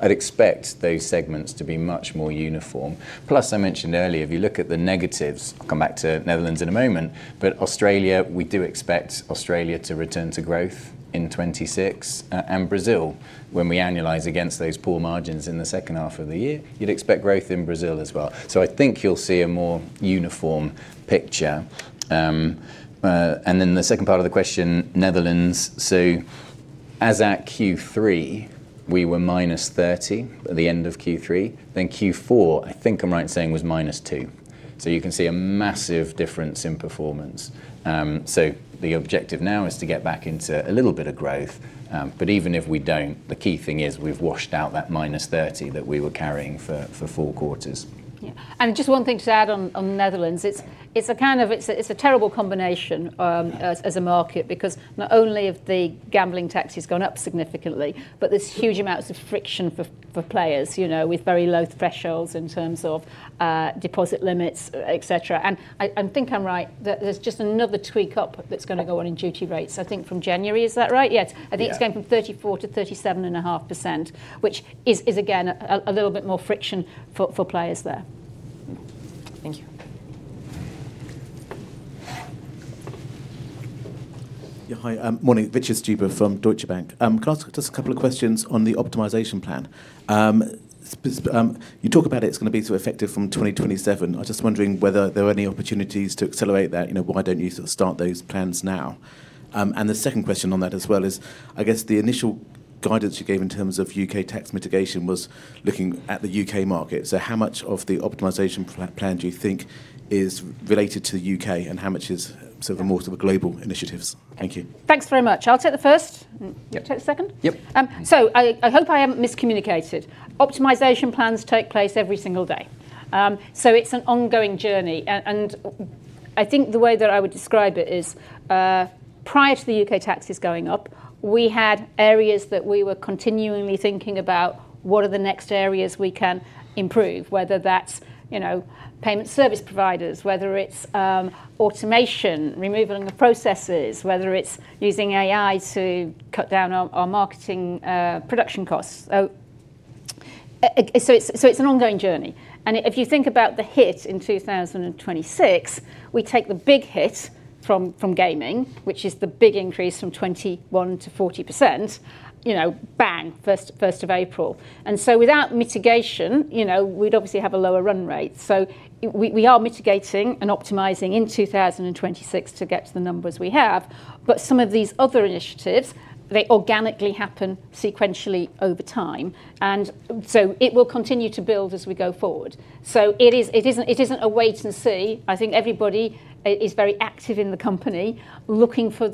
I'd expect those segments to be much more uniform. Plus, I mentioned earlier, if you look at the negatives, I'll come back to Netherlands in a moment, but Australia, we do expect Australia to return to growth in 2026. Brazil, when we annualize against those poor margins in the second half of the year, you'd expect growth in Brazil as well. I think you'll see a more uniform picture. Then the second part of the question, Netherlands. As at Q3, we were -30 at the end of Q3. Q4, I think I'm right in saying, was -2. You can see a massive difference in performance. The objective now is to get back into a little bit of growth, but even if we don't, the key thing is we've washed out that -30 that we were carrying for four quarters. Yeah. Just one thing to add on Netherlands, it's a terrible combination, as a market because not only have the gambling taxes gone up significantly, but there's huge amounts of friction for players, you know, with very low thresholds in terms of deposit limits, etc.. I think I'm right that there's just another tweak up that's gonna go on in duty rates, I think from January. Is that right? Yes. Yeah. I think it's going from 34 to 37.5%, which is again a little bit more friction for players there. Thank you. Yeah. Hi. Morning. Richard Stuber from Deutsche Bank. Can I ask just a couple of questions on the optimization plan? You talk about it's gonna be sort of effective from 2027. I was just wondering whether there are any opportunities to accelerate that. You know, why don't you sort of start those plans now? The second question on that as well is, I guess the initial guidance you gave in terms of U.K. tax mitigation was looking at the U.K. market. How much of the optimization plan do you think is related to the U.K. and how much is sort of more sort of global initiatives? Thank you. Thanks very much. I'll take the first. Yep. You take the second? Yep. I hope I haven't miscommunicated. Optimization plans take place every single day. It's an ongoing journey. I think the way that I would describe it is, prior to the U.K. taxes going up, we had areas that we were continually thinking about what are the next areas we can improve, whether that's, you know, payment service providers, whether it's, automation, removal in the processes, whether it's using AI to cut down on marketing, production costs. It's an ongoing journey. If you think about the hit in 2026, we take the big hit from gaming, which is the big increase from 21% to 40%, you know, bang, 1st of April. Without mitigation, you know, we'd obviously have a lower run rate. We are mitigating and optimizing in 2026 to get to the numbers we have. Some of these other initiatives, they organically happen sequentially over time. It will continue to build as we go forward. It isn't a wait and see. I think everybody is very active in the company looking for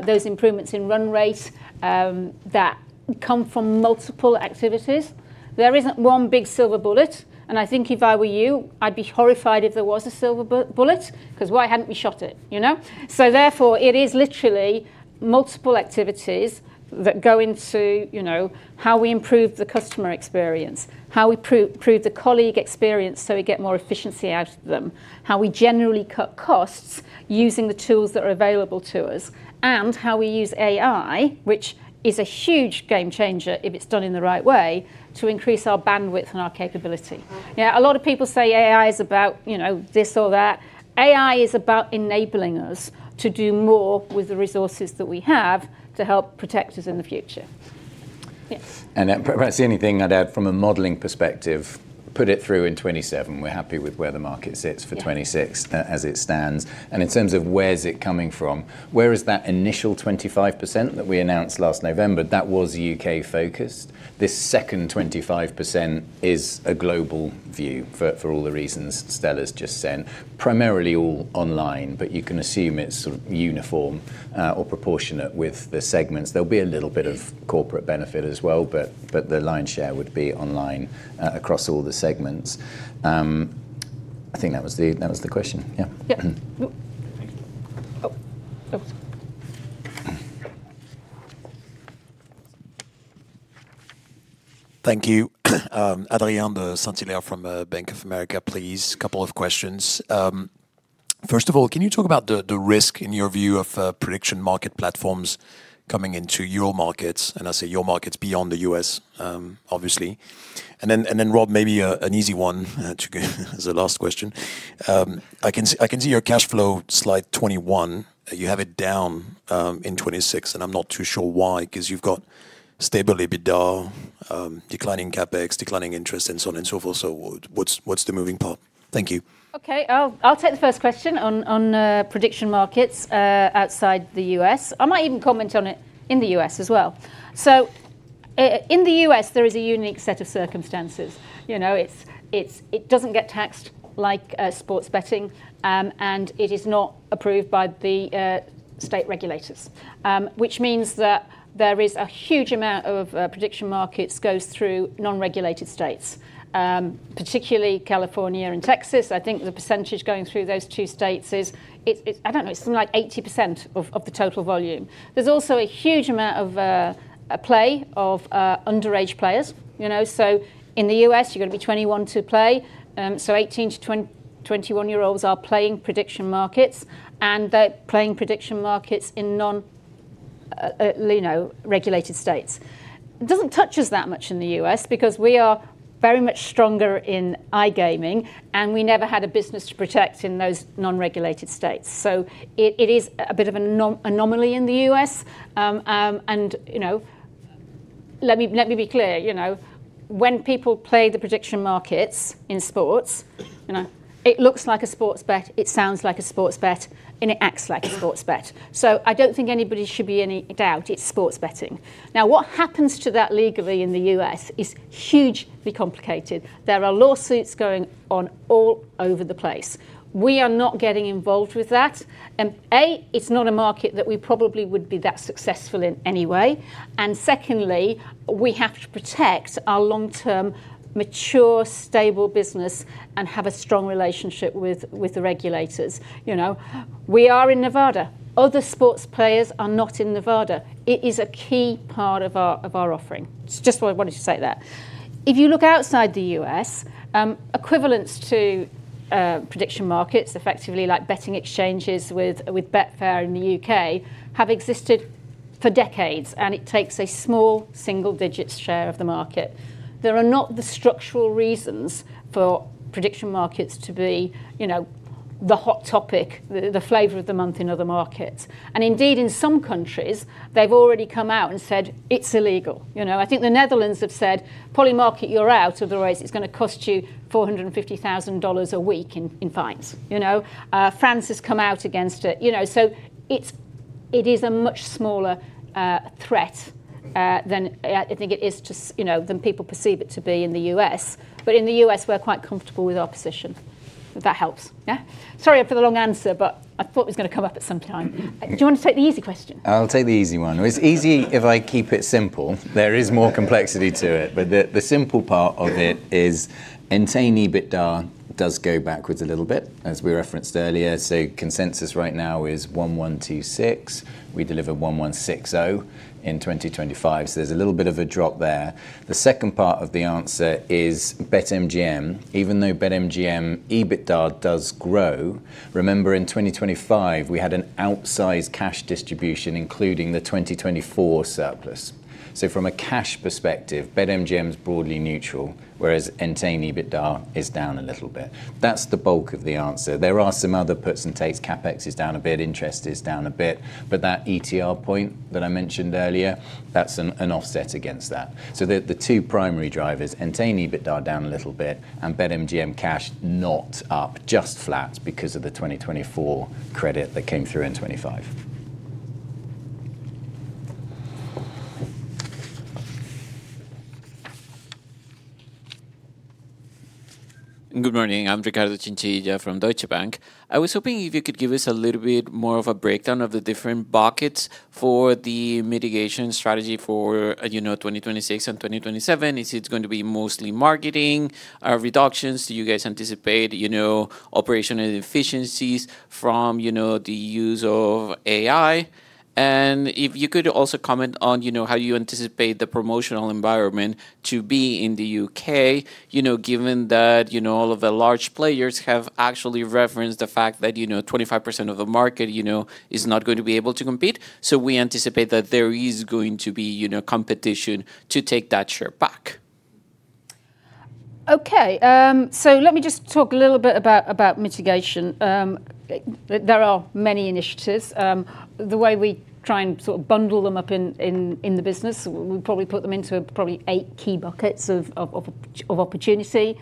those improvements in run rate that come from multiple activities. There isn't one big silver bullet, and I think if I were you, I'd be horrified if there was a silver bullet, 'cause why hadn't we shot it, you know? Therefore, it is literally multiple activities that go into, you know, how we improve the customer experience, how we improve the colleague experience, so we get more efficiency out of them, how we generally cut costs using the tools that are available to us, and how we use AI, which is a huge game changer if it's done in the right way to increase our bandwidth and our capability. Yeah, a lot of people say AI is about, you know, this or that. AI is about enabling us to do more with the resources that we have to help protect us in the future. Yes. Perhaps the only thing I'd add from a modeling perspective, put it through in 2027. We're happy with where the market sits. Yeah 26 as it stands. In terms of where is it coming from, where is that initial 25% that we announced last November? That was U.K. Focused. This second 25% is a global view for all the reasons Stella's just said, primarily all online, but you can assume it's sort of uniform or proportionate with the segments. There'll be a little bit of corporate benefit as well, but the lion's share would be online across all the segments. I think that was the question. Yeah. Yeah. Nope. Thanks. Oh. Oh. Thank you. Adrien de Saint Hilaire from Bank of America, please. Couple of questions. First of all, can you talk about the risk in your view of prediction market platforms coming into your markets, and I say your markets beyond the U.S., obviously. Then Rob, maybe an easy one as a last question. I can see your cash flow slide 21. You have it down in 26, 'cause you've got stable EBITDA, declining CapEx, declining interest, and so on and so forth. What's the moving part? Thank you. Okay. I'll take the first question on prediction markets outside the U.S. I might even comment on it in the U.S. as well. In the U.S., there is a unique set of circumstances. You know, it doesn't get taxed like sports betting, and it is not approved by the state regulators, which means that there is a huge amount of prediction markets goes through non-regulated states, particularly California and Texas. I think the percentage going through those two states is, I don't know, it's something like 80% of the total volume. There's also a huge amount of play of underage players. In the U.S., you've got to be 21 to play, 18 to 21-year-olds are playing prediction markets, and they're playing prediction markets in non, regulated states. It doesn't touch us that much in the U.S. because we are very much stronger in iGaming, and we never had a business to protect in those non-regulated states. It is a bit of an anomaly in the U.S. Let me be clear, when people play the prediction markets in sports, it looks like a sports bet, it sounds like a sports bet, and it acts like a sports bet. I don't think anybody should be in any doubt. It's sports betting. Now, what happens to that legally in the U.S. is hugely complicated. There are lawsuits going on all over the place. We are not getting involved with that. a it's not a market that we probably would be that successful in anyway. Secondly, we have to protect our long-term, mature, stable business and have a strong relationship with the regulators. You know, we are in Nevada. Other sports players are not in Nevada. It is a key part of our, of our offering. Just wanted to say that. If you look outside the U.S., Equivalents to prediction markets, effectively like betting exchanges with Betfair in the U.K., have existed for decades, and it takes a small single-digit share of the market. There are not the structural reasons for prediction markets to be, you know, the hot topic, the flavor of the month in other markets. Indeed, in some countries, they've already come out and said, "It's illegal." You know, I think the Netherlands have said, "Polymarket, you're out, otherwise it's gonna cost you $450,000 a week in fines." You know? France has come out against it. You know, it is a much smaller threat than I think it is to you know, than people perceive it to be in the U.S., In the U.S., we're quite comfortable with our position, if that helps. Yeah? Sorry for the long answer, I thought it was gonna come up at some time. Do you want to take the easy question? I'll take the easy one. It's easy if I keep it simple. There is more complexity to it. The simple part of it is Entain EBITDA does go backwards a little bit, as we referenced earlier. Consensus right now is 1,126 million. We delivered 1,160 million in 2025. There's a little bit of a drop there. The second part of the answer is BetMGM. Even though BetMGM EBITDA does grow, remember in 2025, we had an outsized cash distribution, including the 2024 surplus. From a cash perspective, BetMGM is broadly neutral, whereas Entain EBITDA is down a little bit. That's the bulk of the answer. There are some other puts and takes. CapEx is down a bit, interest is down a bit, but that ETR point that I mentioned earlier, that's an offset against that. The two primary drivers, Entain EBITDA down a little bit and BetMGM cash not up, just flat because of the 2024 credit that came through in 2025. Good morning. I'm Ricardo Garcia-Chinchilla from Deutsche Bank. I was hoping if you could give us a little bit more of a breakdown of the different buckets for the mitigation strategy for, you know, 2026 and 2027. Is it going to be mostly marketing reductions? Do you guys anticipate, you know, operational efficiencies from, you know, the use of AI? If you could also comment on, you know, how you anticipate the promotional environment to be in the U.K., you know, given that, you know, all of the large players have actually referenced the fact that, you know, 25% of the market, you know, is not going to be able to compete. We anticipate that there is going to be, you know, competition to take that share back. Okay. Let me just talk a little bit about mitigation. There are many initiatives. The way we try and sort of bundle them up in, in the business, we probably put them into probably eight key buckets of opportunity.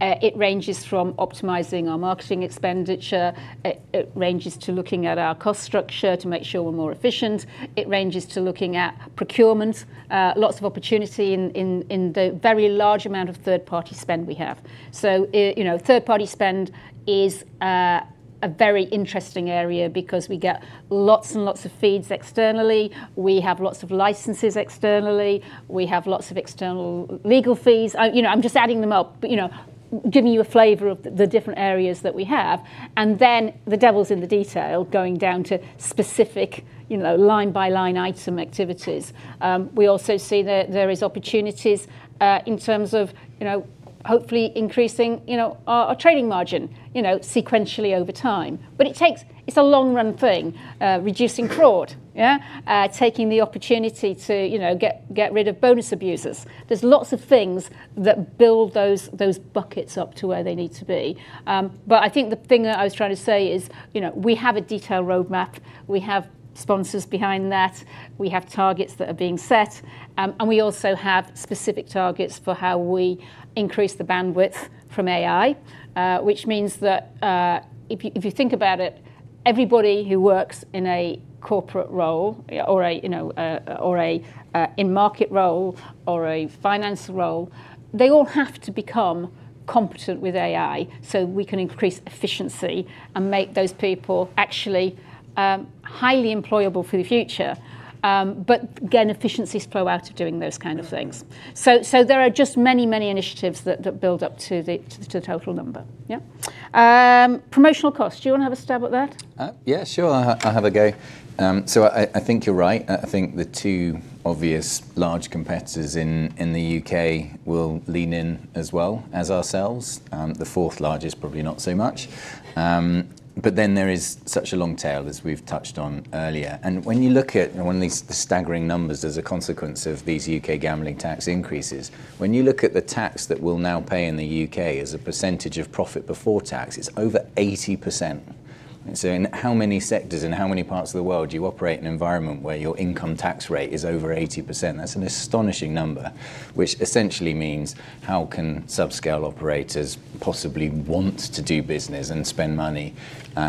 It ranges from optimizing our marketing expenditure. It ranges to looking at our cost structure to make sure we're more efficient. It ranges to looking at procurement. Lots of opportunity in, in the very large amount of third-party spend we have. You know, third-party spend is a very interesting area because we get lots and lots of feeds externally. We have lots of licenses externally. We have lots of external legal fees. I, you know, I'm just adding them up, but, you know, giving you a flavor of the different areas that we have. The devil's in the detail, going down to specific, you know, line-by-line item activities. We also see that there is opportunities, in terms of, you know, hopefully increasing, you know, our trading margin, you know, sequentially over time. It's a long run thing, reducing fraud, yeah? Taking the opportunity to, you know, get rid of bonus abusers. There's lots of things that build those buckets up to where they need to be. I think the thing that I was trying to say is, you know, we have a detailed roadmap, we have sponsors behind that, we have targets that are being set, and we also have specific targets for how we increase the bandwidth from AI, which means that, if you think about it, everybody who works in a corporate role or a, you know, or a, in-market role or a finance role, they all have to become competent with AI so we can increase efficiency and make those people actually, highly employable for the future. Again, efficiencies flow out of doing those kind of things. There are just many initiatives that build up to the total number. Yeah. Promotional costs. Do you want to have a stab at that? Yeah, sure. I'll have a go. I think you're right. I think the two obvious large competitors in the UK will lean in as well as ourselves. The fourth largest, probably not so much. There is such a long tail, as we've touched on earlier. When you look at, you know, one of these staggering numbers as a consequence of these U.K. gambling tax increases, when you look at the tax that we'll now pay in the U.K. as a percentage of profit before tax, it's over 80%. In how many sectors and how many parts of the world do you operate in an environment where your income tax rate is over 80%? That's an astonishing number, which essentially means how can sub-scale operators possibly want to do business and spend money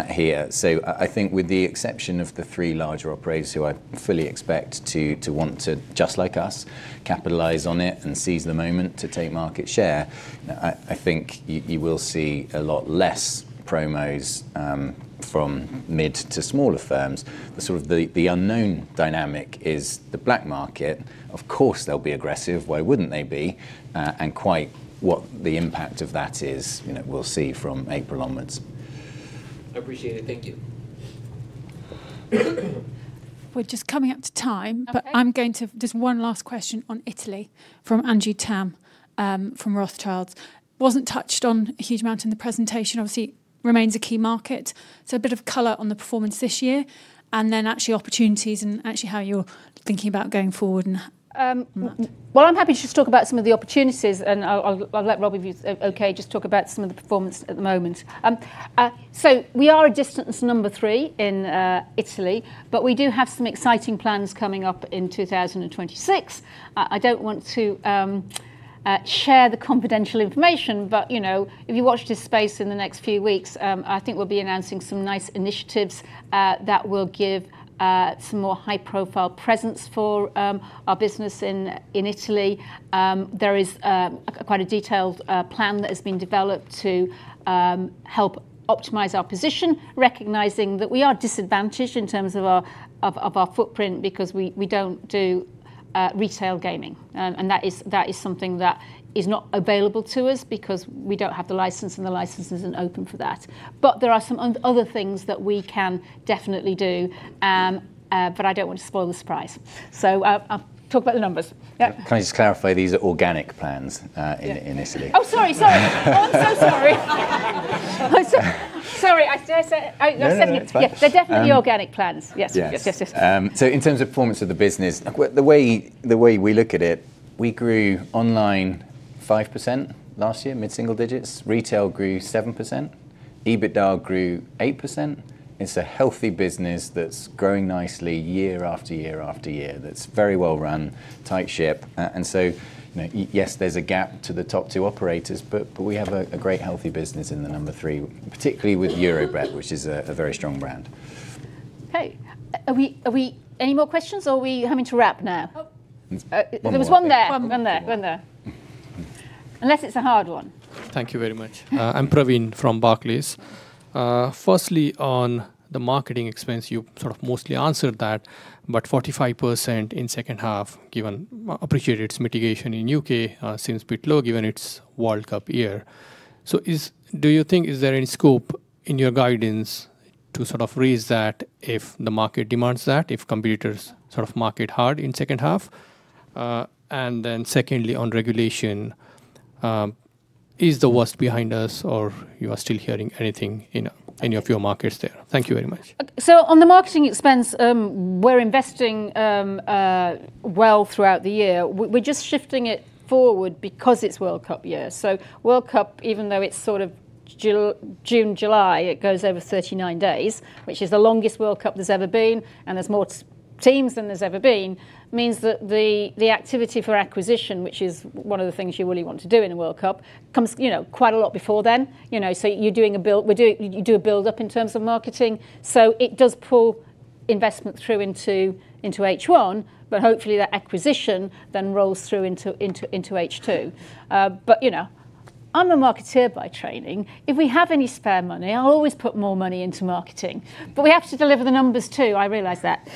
here? I think with the exception of the three larger operators who I fully expect to want to, just like us, capitalize on it and seize the moment to take market share, I think you will see a lot less promos from mid to smaller firms. The unknown dynamic is the black market. Of course, they'll be aggressive. Why wouldn't they be? And quite what the impact of that is, you know, we'll see from April onwards. Appreciate it. Thank you. We're just coming up to time. Okay. Just one last question on Italy from Andrew Tam from Rothschild. Wasn't touched on a huge amount in the presentation. Obviously remains a key market. A bit of color on the performance this year, and then actually opportunities and actually how you're thinking about going forward and that. Well, I'm happy to just talk about some of the opportunities, and I'll let Rob, if he's okay, just talk about some of the performance at the moment. We are a distance number three in Italy, but we do have some exciting plans coming up in 2026. I don't want to share the confidential information, but, you know, if you watch this space in the next few weeks, I think we'll be announcing some nice initiatives that will give some more high-profile presence for our business in Italy. There is a quite a detailed plan that has been developed to help optimize our position, recognizing that we are disadvantaged in terms of our footprint because we don't do retail gaming. That is something that is not available to us because we don't have the license, and the license isn't open for that. There are some other things that we can definitely do, but I don't want to spoil the surprise. I'll talk about the numbers. Yeah. Can I just clarify, these are organic plans in Italy? Oh, sorry. Sorry. I'm so sorry. I sorry. I said it. No, no. Yeah. They're definitely organic plans. Yes. Yes. Yes, In terms of performance of the business, the way we look at it, we grew online 5% last year, mid-single digits. Retail grew 7%. EBITDA grew 8%. It's a healthy business that's growing nicely year after year after year, that's very well run, tight ship. You know, yes, there's a gap to the top two operators, but we have a great healthy business in the number three, particularly with Eurobet, which is a very strong brand. Hey, any more questions or are we having to wrap now? Oh There was one there. One more. One there, one there. Unless it's a hard one. Thank you very much. Yeah. I'm Pravin from Barclays. Firstly, on the marketing expense, you sort of mostly answered that, but 45% in second half, given appreciated mitigation in U.K., seems a bit low given its World Cup year. Do you think, is there any scope in your guidance to sort of raise that if the market demands that, if competitors sort of market hard in second half? Secondly, on regulation, is the worst behind us, or you are still hearing anything in any of your markets there? Thank you very much. On the marketing expense, we're investing, well throughout the year. We're just shifting it forward because it's World Cup year. World Cup, even though it's sort of June, July, it goes over 39 days, which is the longest World Cup there's ever been, and there's more teams than there's ever been, means that the activity for acquisition, which is one of the things you really want to do in a World Cup, comes, you know, quite a lot before then. You know, you do a build-up in terms of marketing. It does pull investment through into H1, but hopefully that acquisition then rolls through into H2. You know, I'm a marketeer by training. If we have any spare money, I'll always put more money into marketing. We have to deliver the numbers too, I realize that.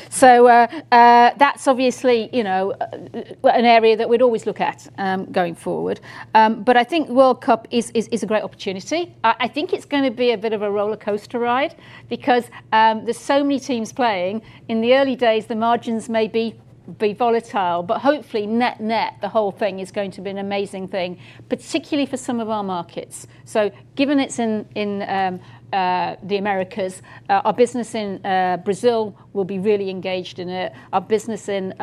That's obviously, you know, an area that we'd always look at, going forward. I think World Cup is a great opportunity. I think it's gonna be a bit of a roller coaster ride because there's so many teams playing. In the early days, the margins may be volatile, but hopefully net-net, the whole thing is going to be an amazing thing, particularly for some of our markets. Given it's in the Americas, our business in Brazil will be really engaged in it. Our business in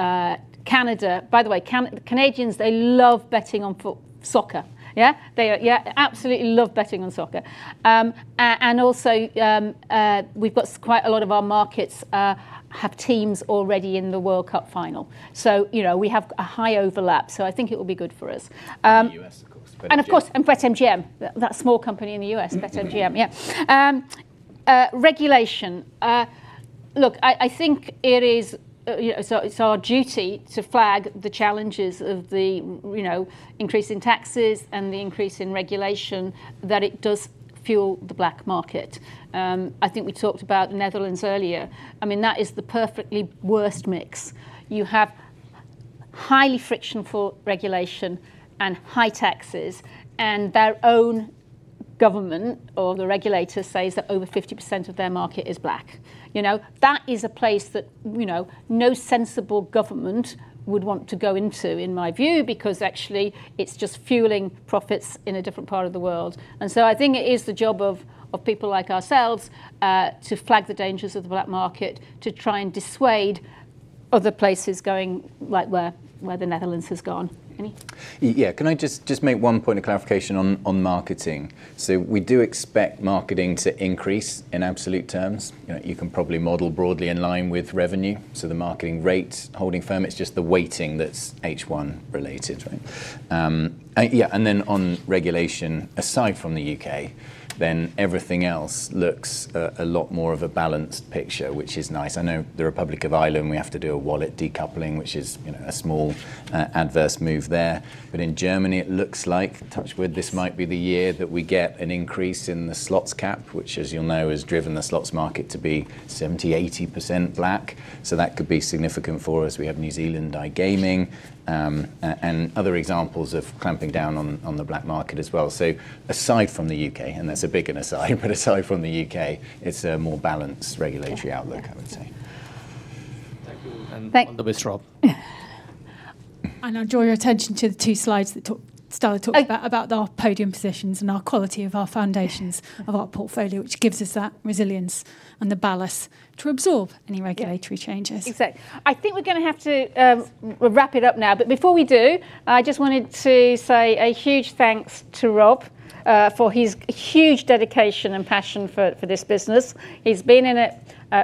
Canada. By the way, Canadians, they love betting on soccer. Yeah? They absolutely love betting on soccer. Also, we've got quite a lot of our markets have teams already in the World Cup final. You know, we have a high overlap, so I think it will be good for us. The U.S., of course, BetMGM. Of course, BetMGM, that small company in the U.S. Regulation. Look, I think it is, you know, it's our duty to flag the challenges of the, you know, increase in taxes and the increase in regulation, that it does fuel the black market. I think we talked about Netherlands earlier. I mean, that is the perfectly worst mix. You have highly frictional regulation and high taxes, their own government or the regulator says that over 50% of their market is black. You know? That is a place that, you know, no sensible government would want to go into, in my view, because actually, it's just fueling profits in a different part of the world. I think it is the job of people like ourselves, to flag the dangers of the black market, to try and dissuade other places going like where the Netherlands has gone. Yeah. Can I just make one point of clarification on marketing? We do expect marketing to increase in absolute terms. You know, you can probably model broadly in line with revenue, so the marketing rate holding firm, it's just the weighting that's H1 related, right? Yeah, then on regulation, aside from the U.K., everything else looks a lot more of a balanced picture, which is nice. I know the Republic of Ireland, we have to do a wallet decoupling, which is, you know, a small adverse move there. In Germany, it looks like, touch wood, this might be the year that we get an increase in the slots cap, which as you'll know, has driven the slots market to be 70%-80% black. That could be significant for us. We have New Zealand iGaming, and other examples of clamping down on the black market as well. Aside from the U.K., and that's a big an aside, but aside from the U.K., it's a more balanced regulatory outlook. Yeah I would say. Thank you. Thank- On the way, Rob. I draw your attention to the two slides that Stella talked about. Oh About our podium positions and our quality of our foundations. Yeah Of our portfolio, which gives us that resilience and the ballast to absorb any regulatory changes. Exactly. I think we're gonna have to wrap it up now. Before we do, I just wanted to say a huge thanks to Rob for his huge dedication and passion for this business. He's been in it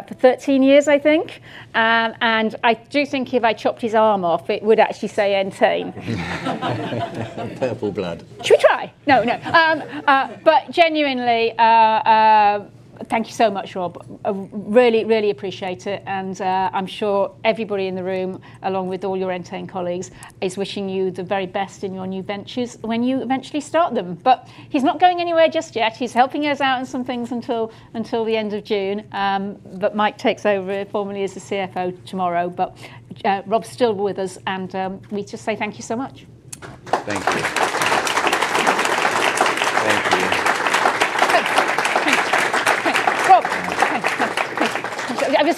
for 13 years, I think. I do think if I chopped his arm off, it would actually say Entain. Purple blood. Should we try? No, no. Genuinely, thank you so much, Rob. Really appreciate it, and I'm sure everybody in the room, along with all your Entain colleagues, is wishing you the very best in your new ventures when you eventually start them. He's not going anywhere just yet. He's helping us out on some things until the end of June. Mike takes over formally as the Chief Financial Officer tomorrow. Rob's still with us, and we just say thank you so much. Thank you.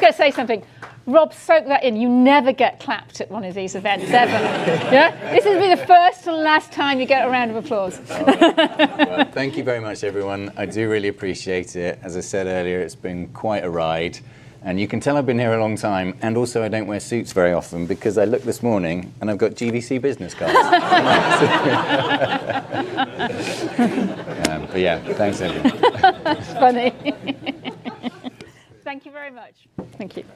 Thanks. Thanks. Thanks. Rob, thanks. I'm just gonna say something. Rob, soak that in. You never get clapped at one of these events, ever. Yeah? This will be the first and last time you get a round of applause. Well, thank you very much, everyone. I do really appreciate it. As I said earlier, it's been quite a ride. You can tell I've been here a long time, and also I don't wear suits very often because I looked this morning and I've got GVC Business cards. Yeah, thanks everyone. Funny. Thank you very much.